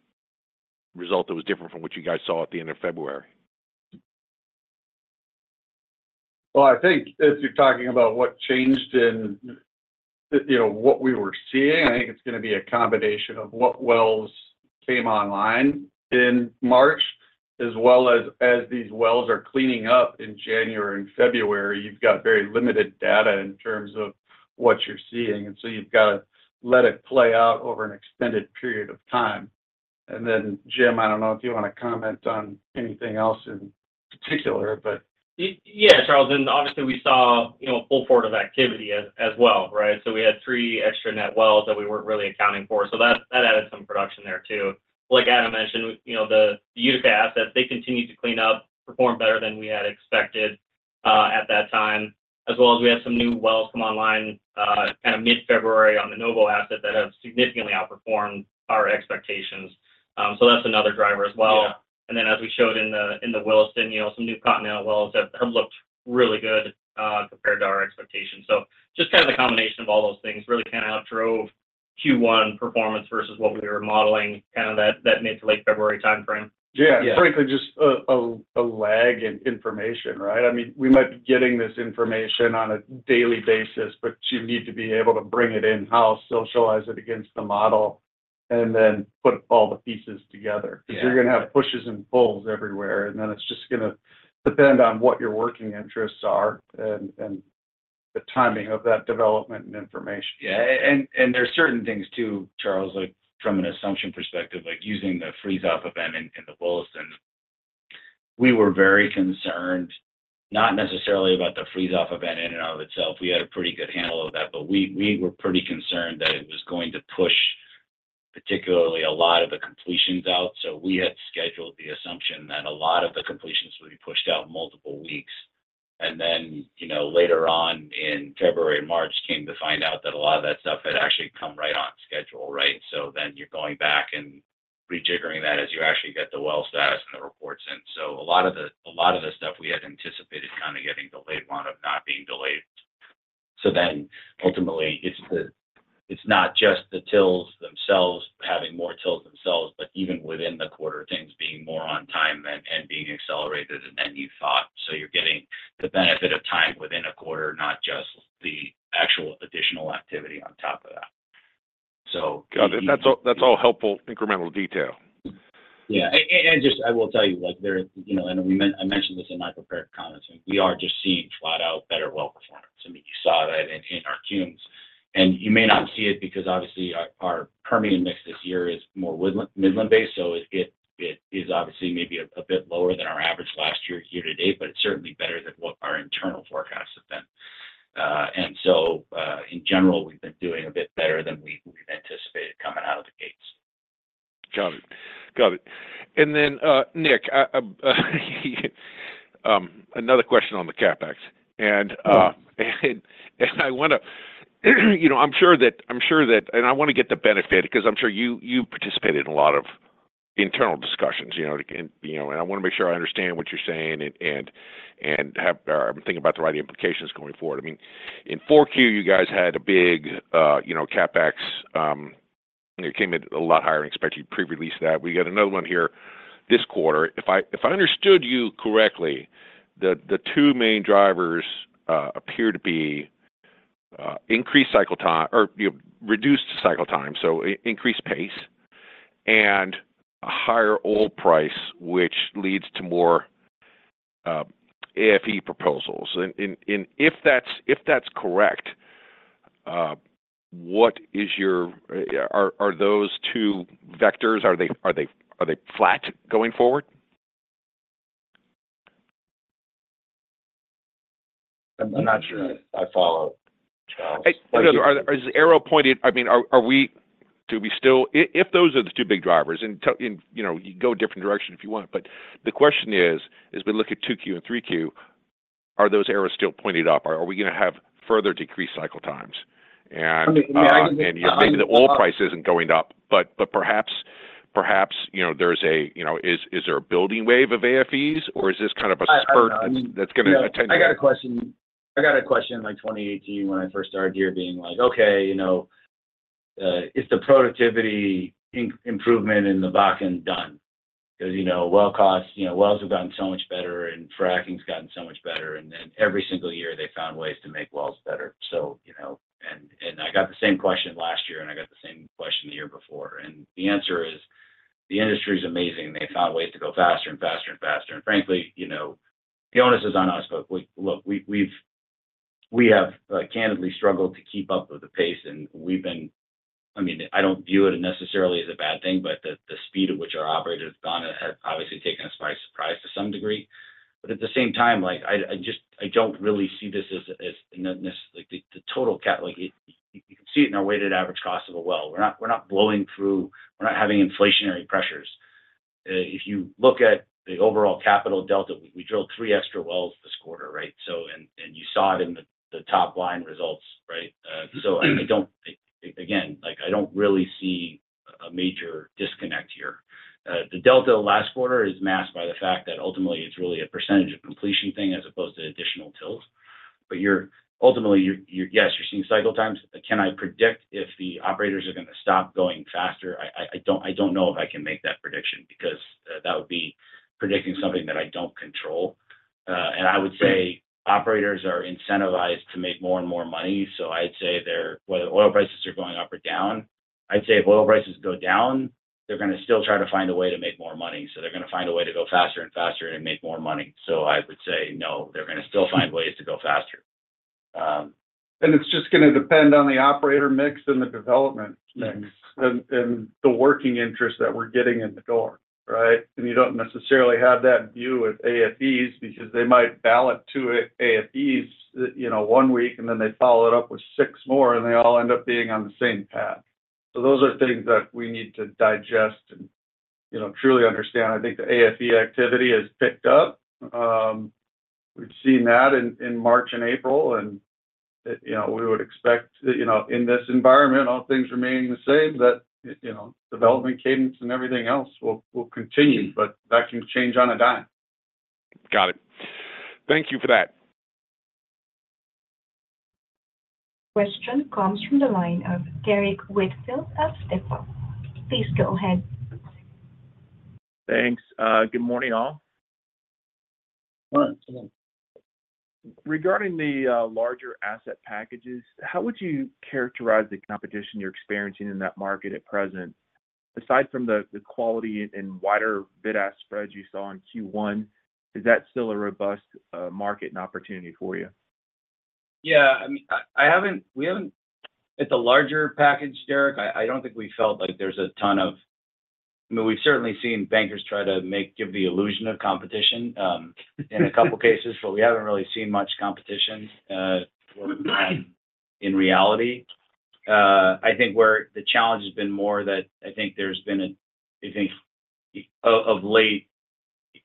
[SPEAKER 9] result that was different from what you guys saw at the end of February?
[SPEAKER 4] Well, I think if you're talking about what changed in, you know, what we were seeing, I think it's gonna be a combination of what wells came online in March, as well as, as these wells are cleaning up in January and February. You've got very limited data in terms of what you're seeing, and so you've got to let it play out over an extended period of time. And then, Jim, I don't know if you want to comment on anything else in particular, but
[SPEAKER 10] Yes, Charles, and obviously, we saw, you know, a full portfolio of activity as well, right? So we had 3 extra net wells that we weren't really accounting for, so that added some production there, too. Like Adam mentioned, you know, the Utica assets, they continued to clean up, performed better than we had expected at that time, as well as we had some new wells come online kind of mid-February on the Novo asset that have significantly outperformed our expectations. So that's another driver as well.
[SPEAKER 4] Yeah.
[SPEAKER 10] And then, as we showed in the Williston, you know, some new Continental wells have looked really good compared to our expectations. So just kind of a combination of all those things really kind of outdrove Q1 performance versus what we were modeling, kind of that mid to late February timeframe.
[SPEAKER 4] Yeah.
[SPEAKER 3] Yeah.
[SPEAKER 4] Frankly, just a lag in information, right? I mean, we might be getting this information on a daily basis, but you need to be able to bring it in-house, socialize it against the model, and then put all the pieces together.
[SPEAKER 10] Yeah.
[SPEAKER 4] Because you're gonna have pushes and pulls everywhere, and then it's just gonna depend on what your working interests are and the timing of that development and information.
[SPEAKER 3] Yeah. And there are certain things, too, Charles, like from an assumption perspective, like using the freeze-off event in the Williston, we were very concerned, not necessarily about the freeze-off event in and of itself, we had a pretty good handle of that, but we were pretty concerned that it was going to push particularly a lot of the completions out. So we had scheduled the assumption that a lot of the completions would be pushed out multiple weeks. And then, you know, later on in February and March, came to find out that a lot of that stuff had actually come right on schedule, right? So then you're going back and rejiggering that as you actually get the well status and the reports in. So a lot of the, a lot of the stuff we had anticipated kind of getting delayed wound up not being delayed. So then ultimately, it's the--it's not just the TILs themselves, having more TILs themselves, but even within the quarter, things being more on time and, and being accelerated than you thought. So you're getting the benefit of time within a quarter, not just the actual additional activity on top of that. So-
[SPEAKER 9] Got it. That's all, that's all helpful, incremental detail.
[SPEAKER 3] Yeah. And just, I will tell you, like, there, you know, and we—I mentioned this in my prepared comments, we are just seeing flat out better well performance. I mean, you saw that in our. *inaudible* And you may not see it because obviously our Permian mix this year is more Midland, Midland-based, so it is obviously maybe a bit lower than our average last year, year to date, but it's certainly better than what our internal forecasts have been. And so, in general, we've been doing a bit better than we've anticipated coming out of the gates.
[SPEAKER 9] Got it. Got it. And then, Nick, another question on the CapEx. And I wanna—you know, I'm sure that, I'm sure that. And I wanna get the benefit because I'm sure you participated in a lot of internal discussions, you know, and, you know, and I wanna make sure I understand what you're saying, and have, I'm thinking about the right implications going forward. I mean, in 4Q, you guys had a big, you know, CapEx. It came in a lot higher than expected. You pre-released that. We got another one here this quarter. If I understood you correctly, the two main drivers appear to be increased cycle time or reduced cycle time, so increased pace, and a higher oil price, which leads to more AFE proposals. If that's correct, what is your... Are those two vectors, are they flat going forward?
[SPEAKER 3] I'm not sure I follow, Charles.
[SPEAKER 9] I mean, are we, do we still... if those are the two big drivers, and, you know, you can go a different direction if you want, but the question is, as we look at 2Q and 3Q, are those arrows still pointed up, or are we gonna have further decreased cycle times? And,
[SPEAKER 3] [inaudiblle]
[SPEAKER 9] And yet maybe the oil price isn't going up, but perhaps, you know, there's a, you know... Is there a building wave of AFEs, or is this kind of a spurt that's gonna attend that?
[SPEAKER 3] I got a question. I got a question in, like, 2018 when I first started here being like, okay, you know, is the productivity improvement in the Bakken done? Because, you know, well costs, you know, wells have gotten so much better, and fracking's gotten so much better, and then every single year, they found ways to make wells better. So, you know, and, and I got the same question last year, and I got the same question the year before. And the answer is: the industry is amazing, and they found ways to go faster and faster and faster. And frankly, you know, the onus is on us, but we look, we, we have candidly struggled to keep up with the pace, and we've been. I mean, I don't view it necessarily as a bad thing, but the speed at which our operators have gone has obviously taken us by surprise to some degree. But at the same time, like, I just, I don't really see this as, as nece- like, the total cap. Like, you can see it in our weighted average cost of a well. We're not blowing through, we're not having inflationary pressures. If you look at the overall capital delta, we drilled 3 extra wells this quarter, right? So, you saw it in the top-line results, right?
[SPEAKER 9] Mm-hmm.
[SPEAKER 3] So I don't again, like, I don't really see a major disconnect here. The delta last quarter is masked by the fact that ultimately it's really a percentage of completion thing as opposed to additional TILs. But ultimately, yes, you're seeing cycle times. Can I predict if the operators are gonna stop going faster? I don't know if I can make that prediction because that would be predicting something that I don't control. And I would say operators are incentivized to make more and more money, so I'd say they're... Whether oil prices are going up or down, I'd say if oil prices go down, they're gonna still try to find a way to make more money. So they're gonna find a way to go faster and faster and make more money. I would say no, they're gonna still find ways to go faster.
[SPEAKER 4] It's just gonna depend on the operator mix and the development mix, and the working interest that we're getting in the door, right? You don't necessarily have that view with AFEs because they might ballot two AFEs, you know, one week, and then they follow it up with six more, and they all end up being on the same path. So those are things that we need to digest and, you know, truly understand. I think the AFE activity has picked up. We've seen that in March and April, and, you know, we would expect that, you know, in this environment, all things remaining the same, that, you know, development cadence and everything else will continue, but that can change on a dime.
[SPEAKER 9] Got it. Thank you for that.
[SPEAKER 3] Question comes from the line of Derrick Whitfield of Stifel. Please go ahead.
[SPEAKER 11] Thanks. Good morning, all.
[SPEAKER 3] Good morning.
[SPEAKER 11] Regarding the larger asset packages, how would you characterize the competition you're experiencing in that market at present? Aside from the quality and wider bid-ask spreads you saw in Q1, is that still a robust market and opportunity for you?
[SPEAKER 3] Yeah, I mean, I haven't—we haven't.At the larger package, Derrick, I don't think we felt like there's a ton of... I mean, we've certainly seen bankers try to make, give the illusion of competition, in a couple of cases, but we haven't really seen much competition, in reality. I think where the challenge has been more that, of late,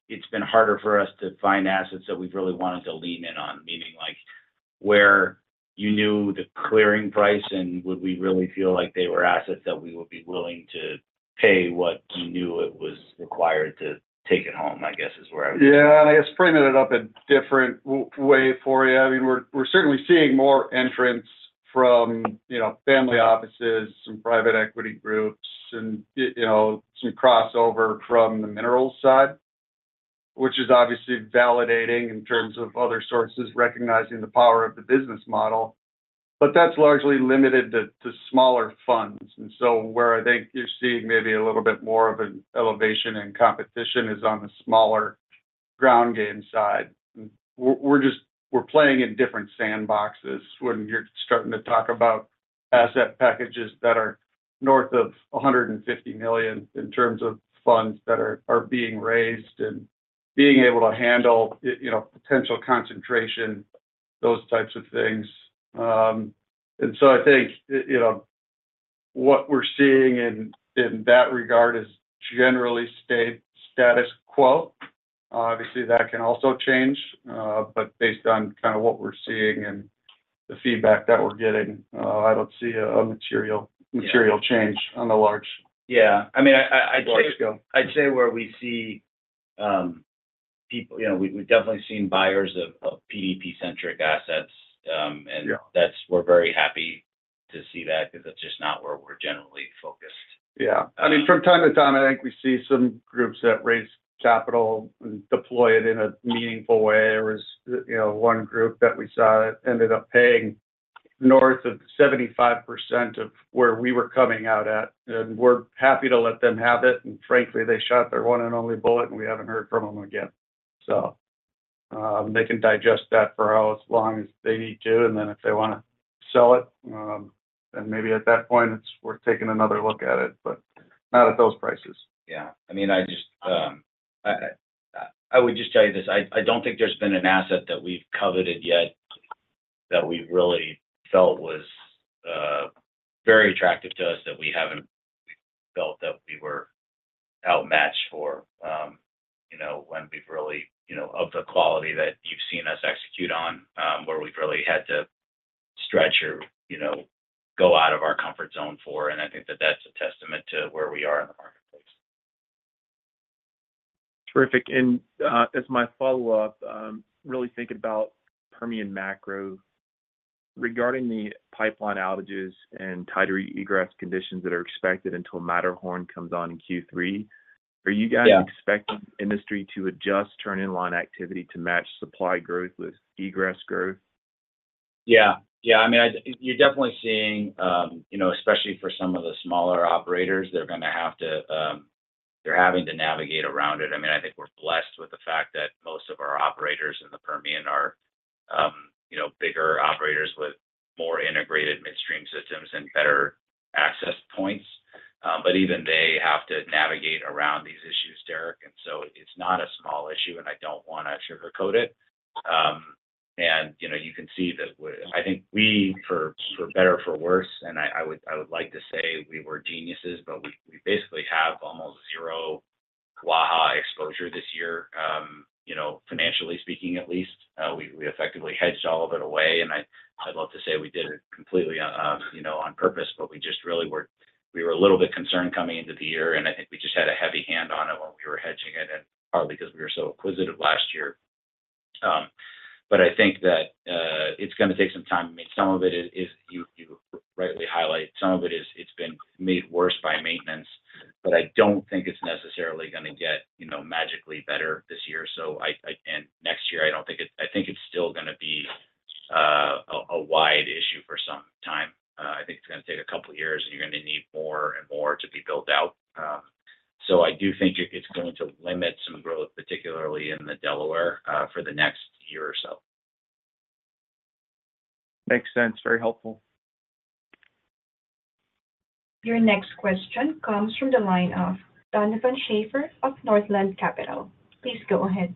[SPEAKER 3] it's been harder for us to find assets that we've really wanted to lean in on. Meaning, like, where you knew the clearing price and would we really feel like they were assets that we would be willing to pay what you knew it was required to take it home, I guess, is where I was-
[SPEAKER 4] Yeah, I guess framed it up a different way for you. I mean, we're certainly seeing more entrants from, you know, family offices, some private equity groups, and, you know, some crossover from the minerals side, which is obviously validating in terms of other sources recognizing the power of the business model, but that's largely limited to smaller funds. So where I think you're seeing maybe a little bit more of an elevation in competition is on the smaller ground game side. We're just playing in different sandboxes when you're starting to talk about asset packages that are north of $150 million in terms of funds that are being raised and being able to handle, you know, potential concentration, those types of things. And so I think, you know, what we're seeing in that regard is generally status quo. Obviously, that can also change, but based on kind of what we're seeing and the feedback that we're getting, I don't see a material change on the large.
[SPEAKER 3] Yeah, I mean, I'd say
[SPEAKER 4] Large scale.
[SPEAKER 3] I'd say where we see people, you know, we've definitely seen buyers of PDP-centric assets, and
[SPEAKER 4] Yeah
[SPEAKER 3] that's why we're very happy to see that because that's just not where we're generally focused.
[SPEAKER 4] Yeah. I mean, from time to time, I think we see some groups that raise capital and deploy it in a meaningful way. There was, you know, one group that we saw ended up paying north of 75% of where we were coming out at, and we're happy to let them have it. And frankly, they shot their one and only bullet, and we haven't heard from them again. So, they can digest that for however long as they need to, and then if they wanna sell it, then maybe at that point it's worth taking another look at it, but not at those prices.
[SPEAKER 3] Yeah. I mean, I just, I would just tell you this, I don't think there's been an asset that we've coveted yet that we've really felt was very attractive to us, that we haven't felt that we were outmatched for. You know, when we've really, you know, of the quality that you've seen us execute on, where we've really had to stretch or, you know, go out of our comfort zone for, and I think that that's a testament to where we are in the marketplace.
[SPEAKER 11] Terrific. And, as my follow-up, really thinking about Permian macro, regarding the pipeline outages and tighter egress conditions that are expected until Matterhorn comes on in Q3, are you guys-
[SPEAKER 3] Yeah
[SPEAKER 11] expecting industry to adjust turn-in-line activity to match supply growth with egress growth?
[SPEAKER 3] Yeah. Yeah, I mean, I, you're definitely seeing, you know, especially for some of the smaller operators, they're gonna have to... they're having to navigate around it. I mean, I think we're blessed with the fact that most of our operators in the Permian are, you know, bigger operators with more integrated midstream systems and better access points. But even they have to navigate around these issues, Derek, and so it's not a small issue, and I don't wanna sugarcoat it. And, you know, you can see that I think we, for, for better or for worse, and I, I would, I would like to say we were geniuses, but we, we basically have almost zero Waha exposure this year, you know, financially speaking at least. We effectively hedged all of it away, and I'd love to say we did it completely, you know, on purpose, but we just really were—we were a little bit concerned coming into the year, and I think we just had a heavy hand on it when we were hedging it, and partly because we were so acquisitive last year. But I think that it's gonna take some time to make. Some of it is you rightly highlight, some of it is it's been made worse by maintenance, but I don't think it's necessarily gonna get, you know, magically better this year. So I,And next year, I don't think it's—I think it's still gonna be a wide issue for some time. I think it's gonna take a couple of years, and you're gonna need more and more to be built out. So I do think it's going to limit some growth, particularly in the Delaware, for the next year or so.
[SPEAKER 11] Makes sense. Very helpful.
[SPEAKER 1] Your next question comes from the line of Donovan Schafer of Northland Capital. Please go ahead.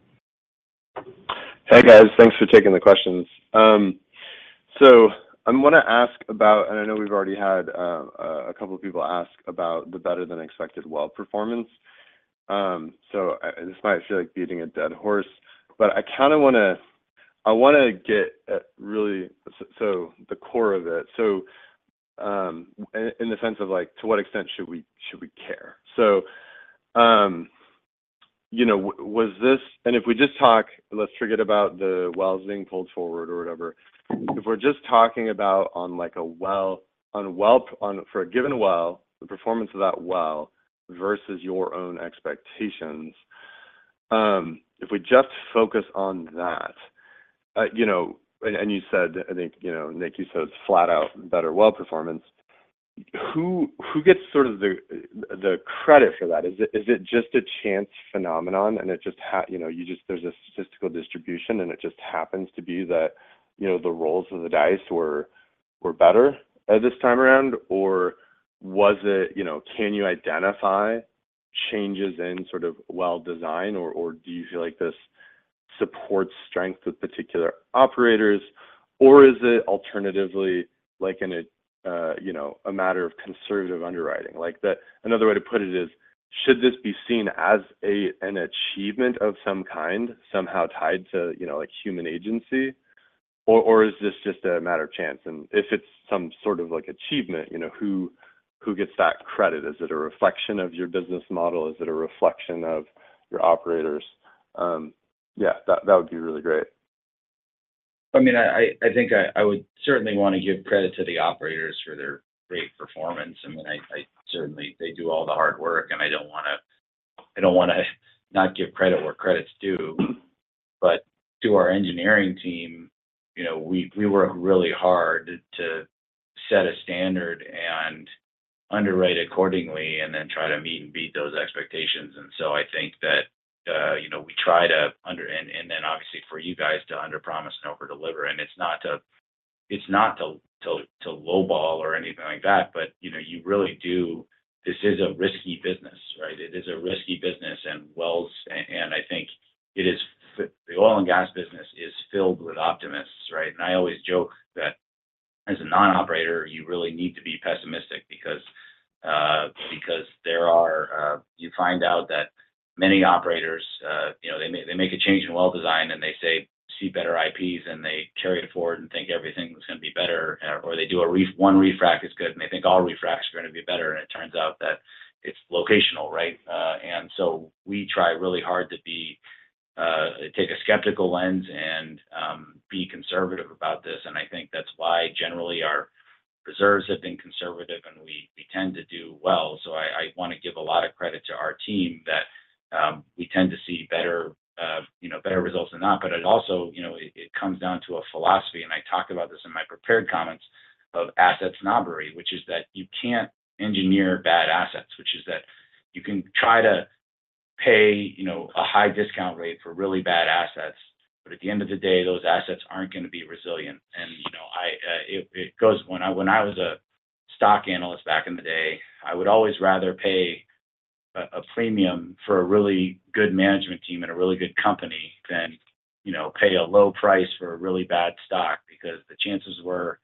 [SPEAKER 12] Hey, guys. Thanks for taking the questions. So I wanna ask about, and I know we've already had a couple of people ask about the better-than-expected well performance. So, this might feel like beating a dead horse, but I kinda wanna-I wanna get really so the core of it. So, in the sense of like, to what extent should we care? So, you know, was this... And if we just talk, let's forget about the wells being pulled forward or whatever. If we're just talking about, like, a well-on well-for a given well, the performance of that well versus your own expectations, if we just focus on that, you know, and you said, I think, you know, Nick, you said it's flat out better well performance. Who gets sort of the credit for that? Is it just a chance phenomenon and it just you know, you just there's a statistical distribution, and it just happens to be that, you know, the rolls of the dice were better this time around? Or was it, you know, can you identify changes in sort of well design, or do you feel like this supports strength of particular operators? Or is it alternatively like in a you know, a matter of conservative underwriting? Like, another way to put it is, should this be seen as an achievement of some kind, somehow tied to, you know, like, human agency, or is this just a matter of chance? And if it's some sort of like, achievement, you know, who gets that credit? Is it a reflection of your business model? Is it a reflection of your operators? Yeah, that, that would be really great.
[SPEAKER 3] I mean, I think I would certainly want to give credit to the operators for their great performance. I mean, I certainly... They do all the hard work, and I don't wanna not give credit where credit's due. But to our engineering team, you know, we work really hard to set a standard and underwrite accordingly and then try to meet and beat those expectations. And so I think that, you know, we try to under promise and overdeliver. And it's not to lowball or anything like that, but, you know, you really do. This is a risky business, right? It is a risky business, and I think the oil and gas business is filled with optimists, right? And I always joke that as a non-operator, you really need to be pessimistic because you find out that many operators, you know, they make a change in well design, and they say see better IPs, and they carry it forward and think everything is gonna be better. Or they do a refrac, one refrac is good, and they think all refracs are gonna be better, and it turns out that it's locational, right? And so we try really hard to take a skeptical lens and be conservative about this. And I think that's why, generally, our reserves have been conservative, and we tend to do well. So I wanna give a lot of credit to our team that we tend to see better, you know, better results than not. But it also, you know, it comes down to a philosophy, and I talked about this in my prepared comments, of asset snobbery, which is that you can't engineer bad assets. Which is that you can try to pay, you know, a high discount rate for really bad assets, but at the end of the day, those assets aren't gonna be resilient. And, you know, it goes. When I was a stock analyst back in the day, I would always rather pay a premium for a really good management team and a really good company than, you know, pay a low price for a really bad stock, because the chances were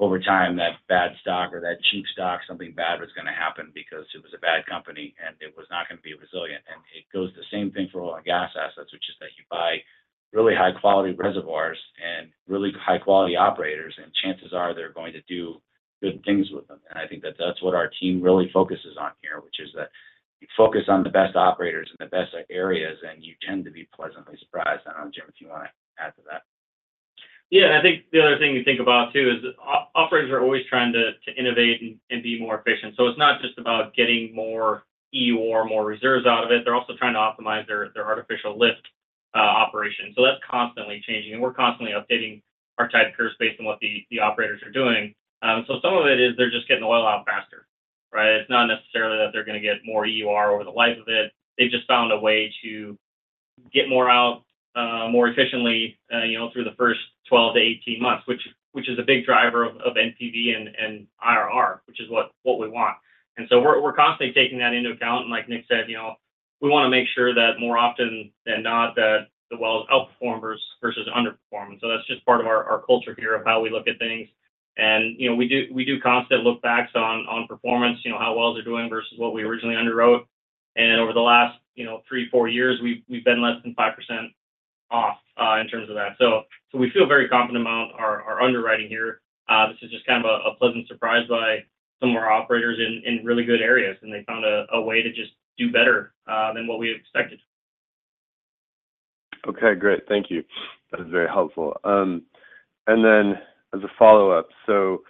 [SPEAKER 3] over time, that bad stock or that cheap stock, something bad was gonna happen because it was a bad company, and it was not gonna be resilient. It goes the same thing for oil and gas assets, which is that you buy really high-quality reservoirs and really high-quality operators, and chances are they're going to do good things with them. I think that that's what our team really focuses on here, which is that you focus on the best operators in the best areas, and you tend to be pleasantly surprised. I don't know, Jim, if you wanna add to that?
[SPEAKER 10] Yeah, I think the other thing you think about, too, is operators are always trying to innovate and be more efficient. So it's not just about getting more EUR or more reserves out of it, they're also trying to optimize their artificial lift operations. So that's constantly changing, and we're constantly updating our type curves based on what the operators are doing. So some of it is they're just getting oil out faster, right? It's not necessarily that they're gonna get more EUR over the life of it. They've just found a way to get more out more efficiently, you know, through the first 12-18 months, which is a big driver of NPV and IRR, which is what we want. And so we're constantly taking that into account. Like Nick said, you know, we wanna make sure that more often than not, that the wells outperform versus underperform. So that's just part of our culture here of how we look at things. And, you know, we do constant lookbacks on performance, you know, how wells are doing versus what we originally underwrote. And over the last, you know, 3-4 years, we've been less than 5% off in terms of that. So we feel very confident about our underwriting here. This is just kind of a pleasant surprise by some of our operators in really good areas, and they found a way to just do better than what we had expected.
[SPEAKER 12] Okay, great. Thank you. That is very helpful. And then as a follow-up, so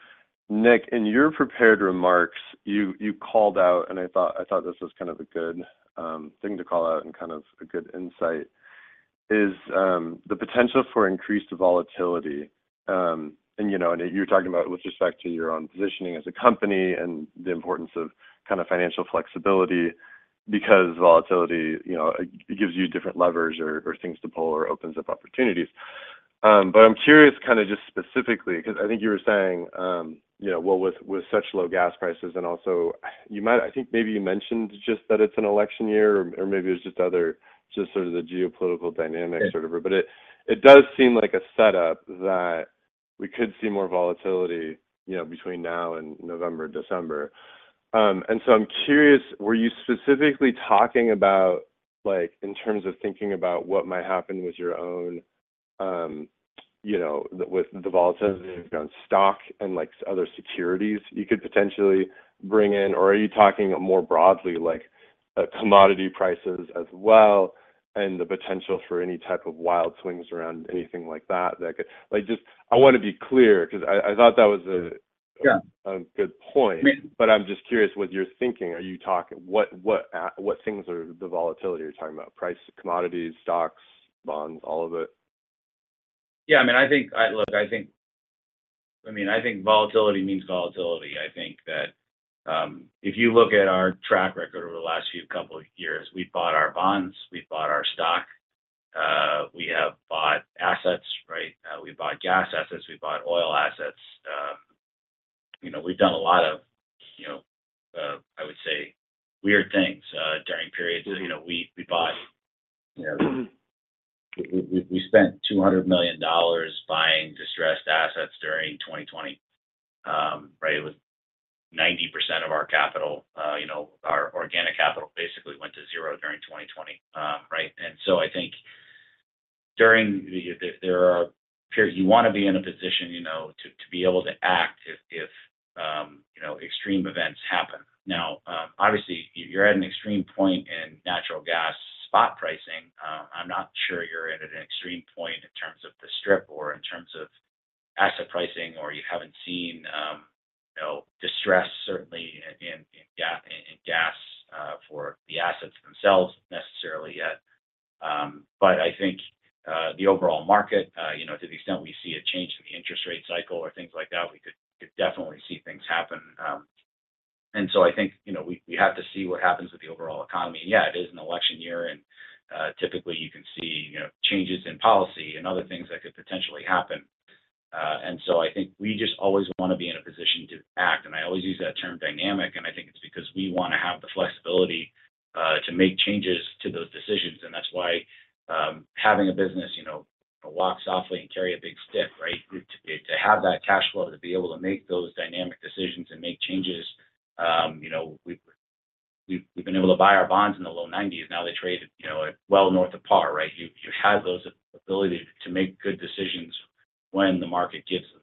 [SPEAKER 12] Nick, in your prepared remarks, you called out, and I thought this was kind of a good thing to call out and kind of a good insight, is the potential for increased volatility. And you know, you're talking about with respect to your own positioning as a company and the importance of kind of financial flexibility, because volatility, you know, it gives you different levers or things to pull or opens up opportunities. But I'm curious, kind of just specifically, cause cause I think you were saying, you know, well, with such low gas prices and also, you might, I think maybe you mentioned just that it's an election year, or maybe it's just other, just sort of the geopolitical dynamics or whatever. But it, it does seem like a setup that we could see more volatility, you know, between now and November, December. And so I'm curious, were you specifically talking about, like, in terms of thinking about what might happen with your own, you know, with the volatility on stock and, like, other securities you could potentially bring in? Or are you talking more broadly, like, commodity prices as well, and the potential for any type of wild swings around anything like that, that could- Like, just. I wanna be clear, 'cause I, I thought that was a
[SPEAKER 3] Yeah
[SPEAKER 12] a good point. But I'm just curious what you're thinking. Are you talking. What, what, what things are the volatility you're talking about? Price, commodities, stocks, bonds, all of it?
[SPEAKER 3] Yeah, I mean, I think. Look, I think—I mean, I think volatility means volatility. I think that, if you look at our track record over the last few couple of years, we've bought our bonds, we've bought our stock, we have bought assets, right? We've bought gas assets, we've bought oil assets. You know, we've done a lot of, you know, I would say, weird things, during periods. You know, we bought, you know, we spent $200 million buying distressed assets during 2020. Right, it was 90% of our capital. You know, our organic capital basically went to zero during 2020, right? And so I think during the... There are periods you wanna be in a position, you know, to be able to act if you know, extreme events happen. Now, obviously, you're at an extreme point in natural gas spot pricing. I'm not sure you're at an extreme point in terms of the strip or in terms of asset pricing, or you haven't seen, you know, distress, certainly in gas, for the assets themselves necessarily yet. But I think the overall market, you know, to the extent we see a change in the interest rate cycle or things like that, we could definitely see things happen. And so I think, you know, we have to see what happens with the overall economy. Yeah, it is an election year, and typically you can see, you know, changes in policy and other things that could potentially happen. And so I think we just always want to be in a position to act, and I always use that term dynamic, and I think it's because we wanna have the flexibility to make changes to those decisions. And that's why having a business, you know, walks softly and carry a big stick, right? To have that cash flow, to be able to make those dynamic decisions and make changes, you know, we've been able to buy our bonds in the low 90s. Now, they trade, you know, at well north of par, right? You have those ability to make good decisions when the market gives them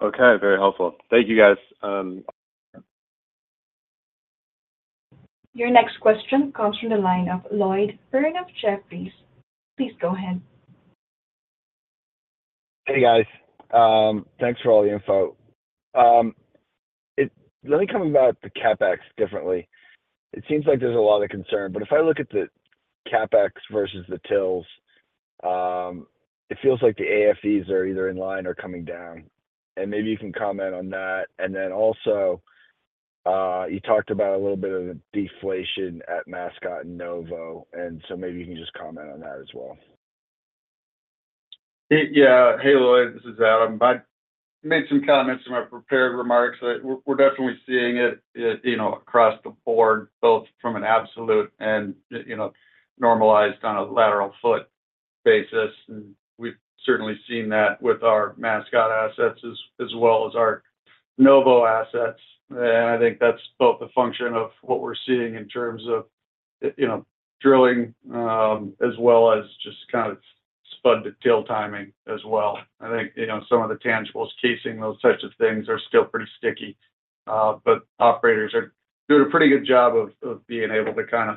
[SPEAKER 3] to you.
[SPEAKER 12] Okay, very helpful. Thank you, guys.
[SPEAKER 1] Your next question comes from the line of Lloyd Byrne of Jefferies. Please go ahead.
[SPEAKER 13] Hey, guys. Thanks for all the info. Let me come at the CapEx differently. It seems like there's a lot of concern, but if I look at the CapEx versus the TILs, it feels like the AFEs are either in line or coming down, and maybe you can comment on that. And then also, you talked about a little bit of the deflation at Mascot and Novo, and so maybe you can just comment on that as well.
[SPEAKER 4] Yeah. Hey, Lloyd, this is Adam. I made some comments in my prepared remarks. We're definitely seeing it, you know, across the board, both from an absolute and, you know, normalized on a lateral foot basis. And we've certainly seen that with our Mascot assets as well as our Novo assets. And I think that's both a function of what we're seeing in terms of, you know, drilling, as well as just kind of spud to till timing as well. I think, you know, some of the tangibles, casing, those types of things are still pretty sticky, but operators are doing a pretty good job of being able to kind of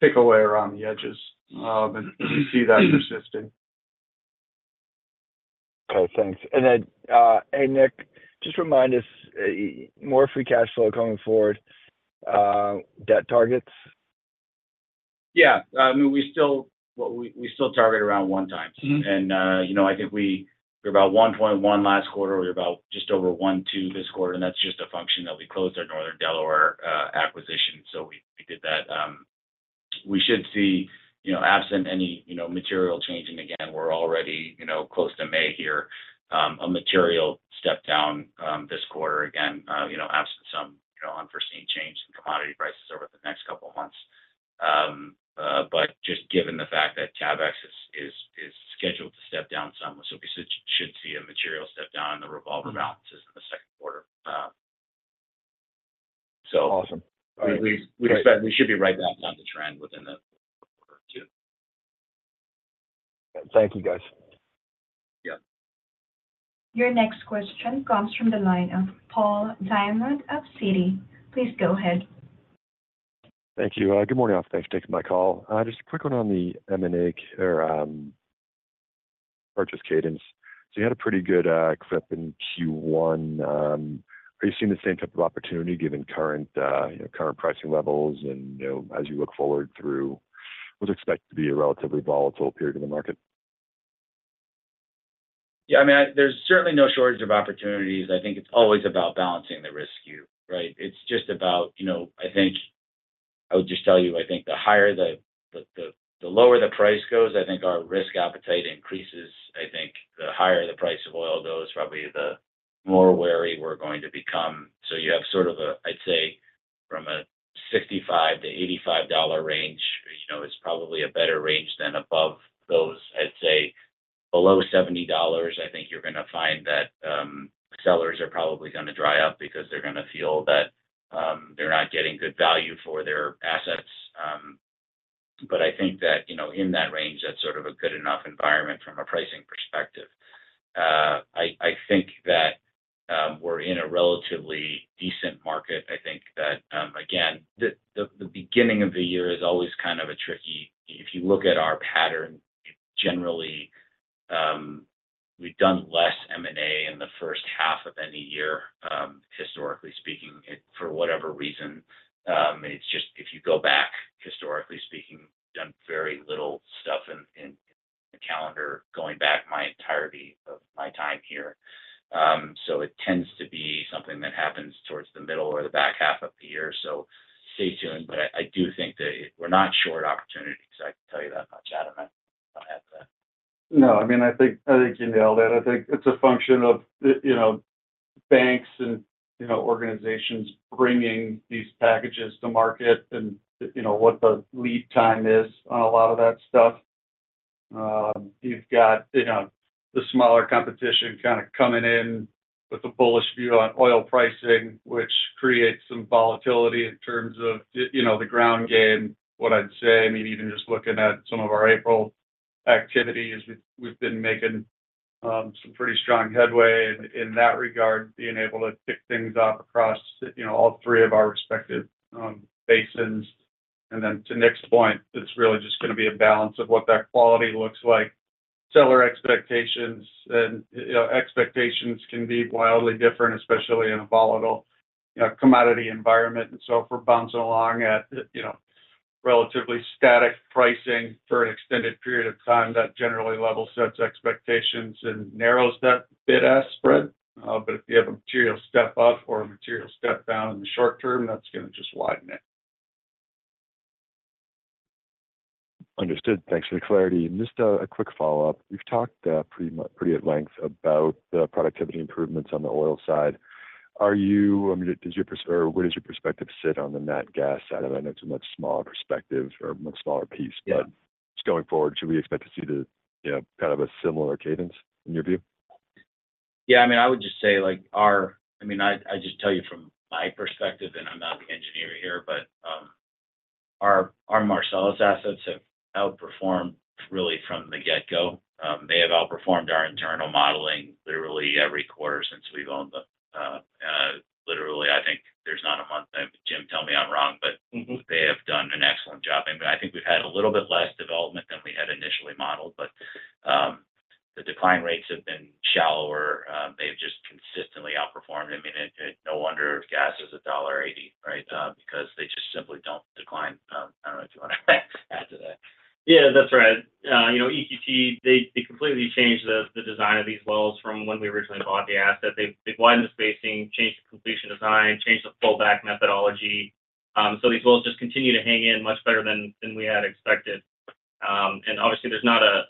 [SPEAKER 4] pick away around the edges, and we see that persisting.
[SPEAKER 13] Okay, thanks. And then, hey, Nick, just remind us, more free cash flow coming forward, debt targets?
[SPEAKER 3] Yeah. I mean, we still target around one time.
[SPEAKER 13] Mm-hmm.
[SPEAKER 3] You know, I think we were about 1.1 last quarter. We're about just over 1.2 this quarter, and that's just a function that we closed our Northern Delaware acquisition. So we did that. We should see, you know, absent any, you know, material changing again, we're already, you know, close to May here, a material step down, this quarter again, you know, absent some, you know, unforeseen change in commodity prices over the next couple of months. But just given the fact that CapEx is scheduled to step down some, so we should see a material step down in the revolver balances in the second quarter. So
[SPEAKER 13] Awesome.
[SPEAKER 3] We should be right back on the trend within the quarter two.
[SPEAKER 13] Thank you, guys.
[SPEAKER 3] Yeah.
[SPEAKER 1] Your next question comes from the line of Paul Diamond of Citi. Please go ahead.
[SPEAKER 14] Thank you. Good morning, all. Thanks for taking my call. Just a quick one on the M&A or purchase cadence. So you had a pretty good clip in Q1. Are you seeing the same type of opportunity given current, you know, current pricing levels and, you know, as you look forward through what's expected to be a relatively volatile period in the market?
[SPEAKER 3] Yeah, I mean, there's certainly no shortage of opportunities. I think it's always about balancing the risk view, right? It's just about, you know, I think... I would just tell you, I think the lower the price goes, I think our risk appetite increases. I think the higher the price of oil goes, probably the more wary we're going to become. So you have sort of a, I'd say, from a $65-$85 range, you know, is probably a better range than above those. I'd say below $70, I think you're gonna find that sellers are probably gonna dry up because they're gonna feel that they're not getting good value for their assets. But I think that, you know, in that range, that's sort of a good enough environment from a pricing perspective. I think that we're in a relatively decent market. I think that, again, the beginning of the year is always kind of a tricky... If you look at our pattern, generally, we've done less M&A in the first half of any year, historically speaking, for whatever reason. It's just, if you go back, historically speaking, done very little stuff in the calendar, going back my entirety of my time here. So it tends to be something that happens towards the middle or the back half of the year. So stay tuned. But I do think that we're not short opportunities, I can tell you that much. Adam, I'll add that.
[SPEAKER 4] No, I mean, I think, I think you nailed it. I think it's a function of the, you know, banks and, you know, organizations bringing these packages to market and, you know, what the lead time is on a lot of that stuff. You've got, you know, the smaller competition kind of coming in with a bullish view on oil pricing, which creates some volatility in terms of, you know, the ground game. What I'd say, I mean, even just looking at some of our April activities, we've been making some pretty strong headway in that regard, being able to kick things off across, you know, all three of our respective basins. And then to Nick's point, it's really just gonna be a balance of what that quality looks like.... seller expectations and, you know, expectations can be wildly different, especially in a volatile, commodity environment. And so if we're bouncing along at, you know, relatively static pricing for an extended period of time, that generally level sets expectations and narrows that bid-ask spread. But if you have a material step up or a material step down in the short term, that's gonna just widen it.
[SPEAKER 14] Understood. Thanks for the clarity. Just a quick follow-up. You've talked pretty at length about the productivity improvements on the oil side. Are you? I mean, does your or where does your perspective sit on the nat gas side of it? I know it's a much smaller perspective or a much smaller piece.
[SPEAKER 3] Yeah.
[SPEAKER 14] Just going forward, should we expect to see the, you know, kind of a similar cadence in your view?
[SPEAKER 3] Yeah, I mean, I would just say, like, our—I mean, I just tell you from my perspective, and I'm not the engineer here, but, our Marcellus assets have outperformed really from the get-go. They have outperformed our internal modeling literally every quarter since we've owned them. Literally, I think there's not a month, and Jim tell me I'm wrong, but-
[SPEAKER 10] Mm-hmm
[SPEAKER 3] they have done an excellent job. And I think we've had a little bit less development than we had initially modeled, but the decline rates have been shallower. They've just consistently outperformed. I mean, it no wonder gas is $1.80, right? Because they just simply don't decline. I don't know if you wanna add to that.
[SPEAKER 10] Yeah, that's right. You know, EQT, they completely changed the design of these wells from when we originally bought the asset. They widened the spacing, changed the completion design, changed the pullback methodology. So these wells just continue to hang in much better than we had expected. And obviously, there's not a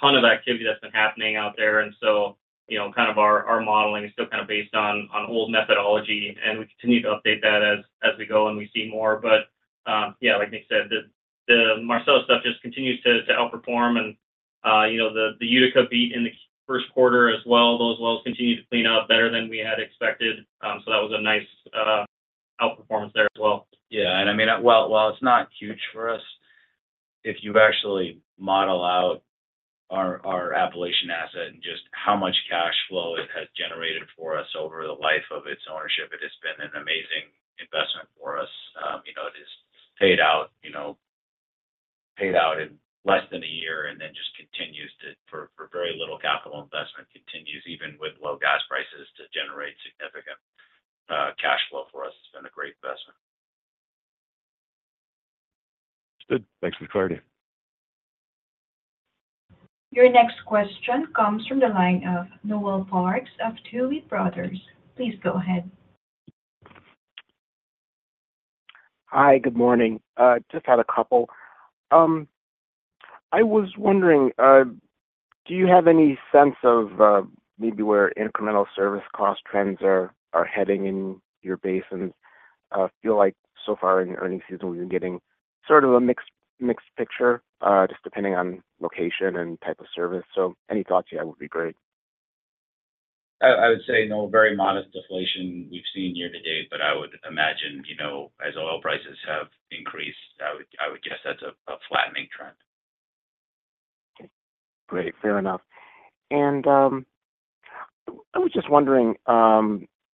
[SPEAKER 10] ton of activity that's been happening out there, and so, you know, kind of our modeling is still kind of based on old methodology, and we continue to update that as we go and we see more. But yeah, like Nick said, the Marcellus stuff just continues to outperform and, you know, the Utica beat in the first quarter as well. Those wells continue to clean out better than we had expected. So that was a nice outperformance there as well.
[SPEAKER 3] Yeah, and I mean, while it's not huge for us, if you've actually model out our Appalachian asset and just how much cash flow it has generated for us over the life of its ownership, it has been an amazing investment for us. You know, it is paid out, you know, paid out in less than a year, and then just continues to, for very little capital investment, continues even with low gas prices to generate significant cash flow for us. It's been a great investment.
[SPEAKER 14] Good. Thanks for the clarity.
[SPEAKER 1] Your next question comes from the line of Noel Parks of Tuohy Brothers. Please go ahead.
[SPEAKER 15] Hi, good morning. Just had a couple. I was wondering, do you have any sense of, maybe where incremental service cost trends are heading in your basins? Feel like so far in the earnings season, we've been getting sort of a mixed picture, just depending on location and type of service. So any thoughts here would be great.
[SPEAKER 3] I would say, no, very modest deflation we've seen year to date, but I would imagine, you know, as oil prices have increased, I guess that's a flattening trend.
[SPEAKER 15] Okay, great. Fair enough. And, I was just wondering,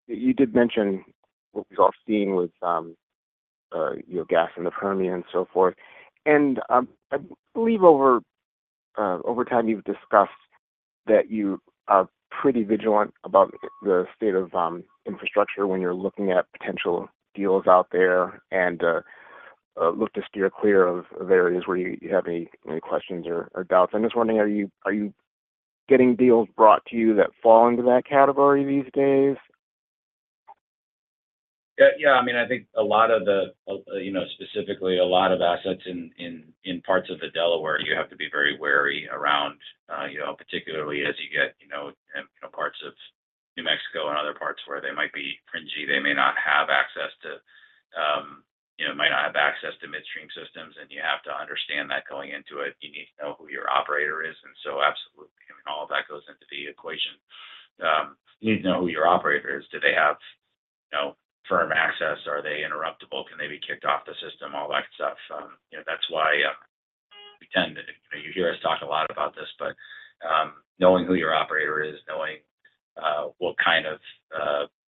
[SPEAKER 15] you did mention what you all seeing with, you know, gas in the Permian and so forth. And, I believe over, over time, you've discussed that you are pretty vigilant about the state of, infrastructure when you're looking at potential deals out there and, look to steer clear of, of areas where you, you have any, any questions or, or doubts. I'm just wondering, are you, are you getting deals brought to you that fall into that category these days?
[SPEAKER 3] Yeah, yeah. I mean, I think a lot of the, you know, specifically a lot of assets in parts of the Delaware, you have to be very wary around, you know, particularly as you get, you know, parts of New Mexico and other parts where they might be fringy. They may not have access to midstream systems, and you have to understand that going into it. You need to know who your operator is, and so absolutely, I mean, all of that goes into the equation. You need to know who your operator is. Do they have, you know, firm access? Are they interruptible? Can they be kicked off the system? All that stuff. You know, that's why we tend to, you know, you hear us talk a lot about this, but knowing who your operator is, knowing what kind of,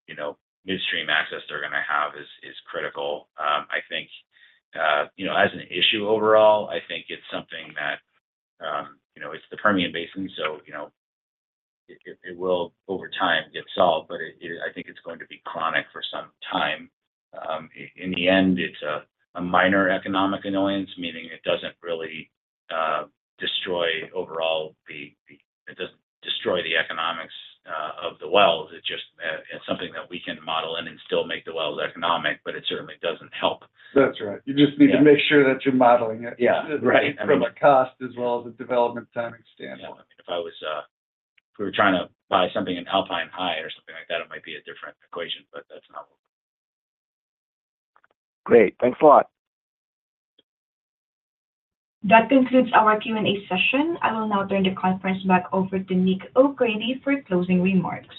[SPEAKER 3] you know, midstream access they're gonna have is critical. I think, you know, as an issue overall, I think it's something that, you know, it's the Permian Basin, so, you know, it will, over time, get solved, but I think it's going to be chronic for some time. In the end, it's a minor economic annoyance, meaning it doesn't really destroy overall the economics of the wells. It just, it's something that we can model in and still make the wells economic, but it certainly doesn't help.
[SPEAKER 4] That's right.
[SPEAKER 3] Yeah.
[SPEAKER 4] You just need to make sure that you're modeling it-
[SPEAKER 3] Yeah. Right.
[SPEAKER 4] from a cost as well as a development timing standpoint.
[SPEAKER 3] Yeah, I mean, if we were trying to buy something in Alpine High or something like that, it might be a different equation, but that's not.
[SPEAKER 15] Great. Thanks a lot.
[SPEAKER 1] That concludes our Q&A session. I will now turn the conference back over to Nick O'Grady for closing remarks.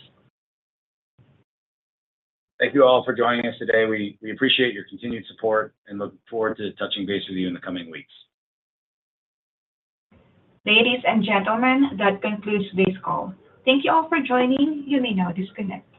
[SPEAKER 3] Thank you all for joining us today. We appreciate your continued support and look forward to touching base with you in the coming weeks.
[SPEAKER 1] Ladies and gentlemen, that concludes this call. Thank you all for joining. You may now disconnect.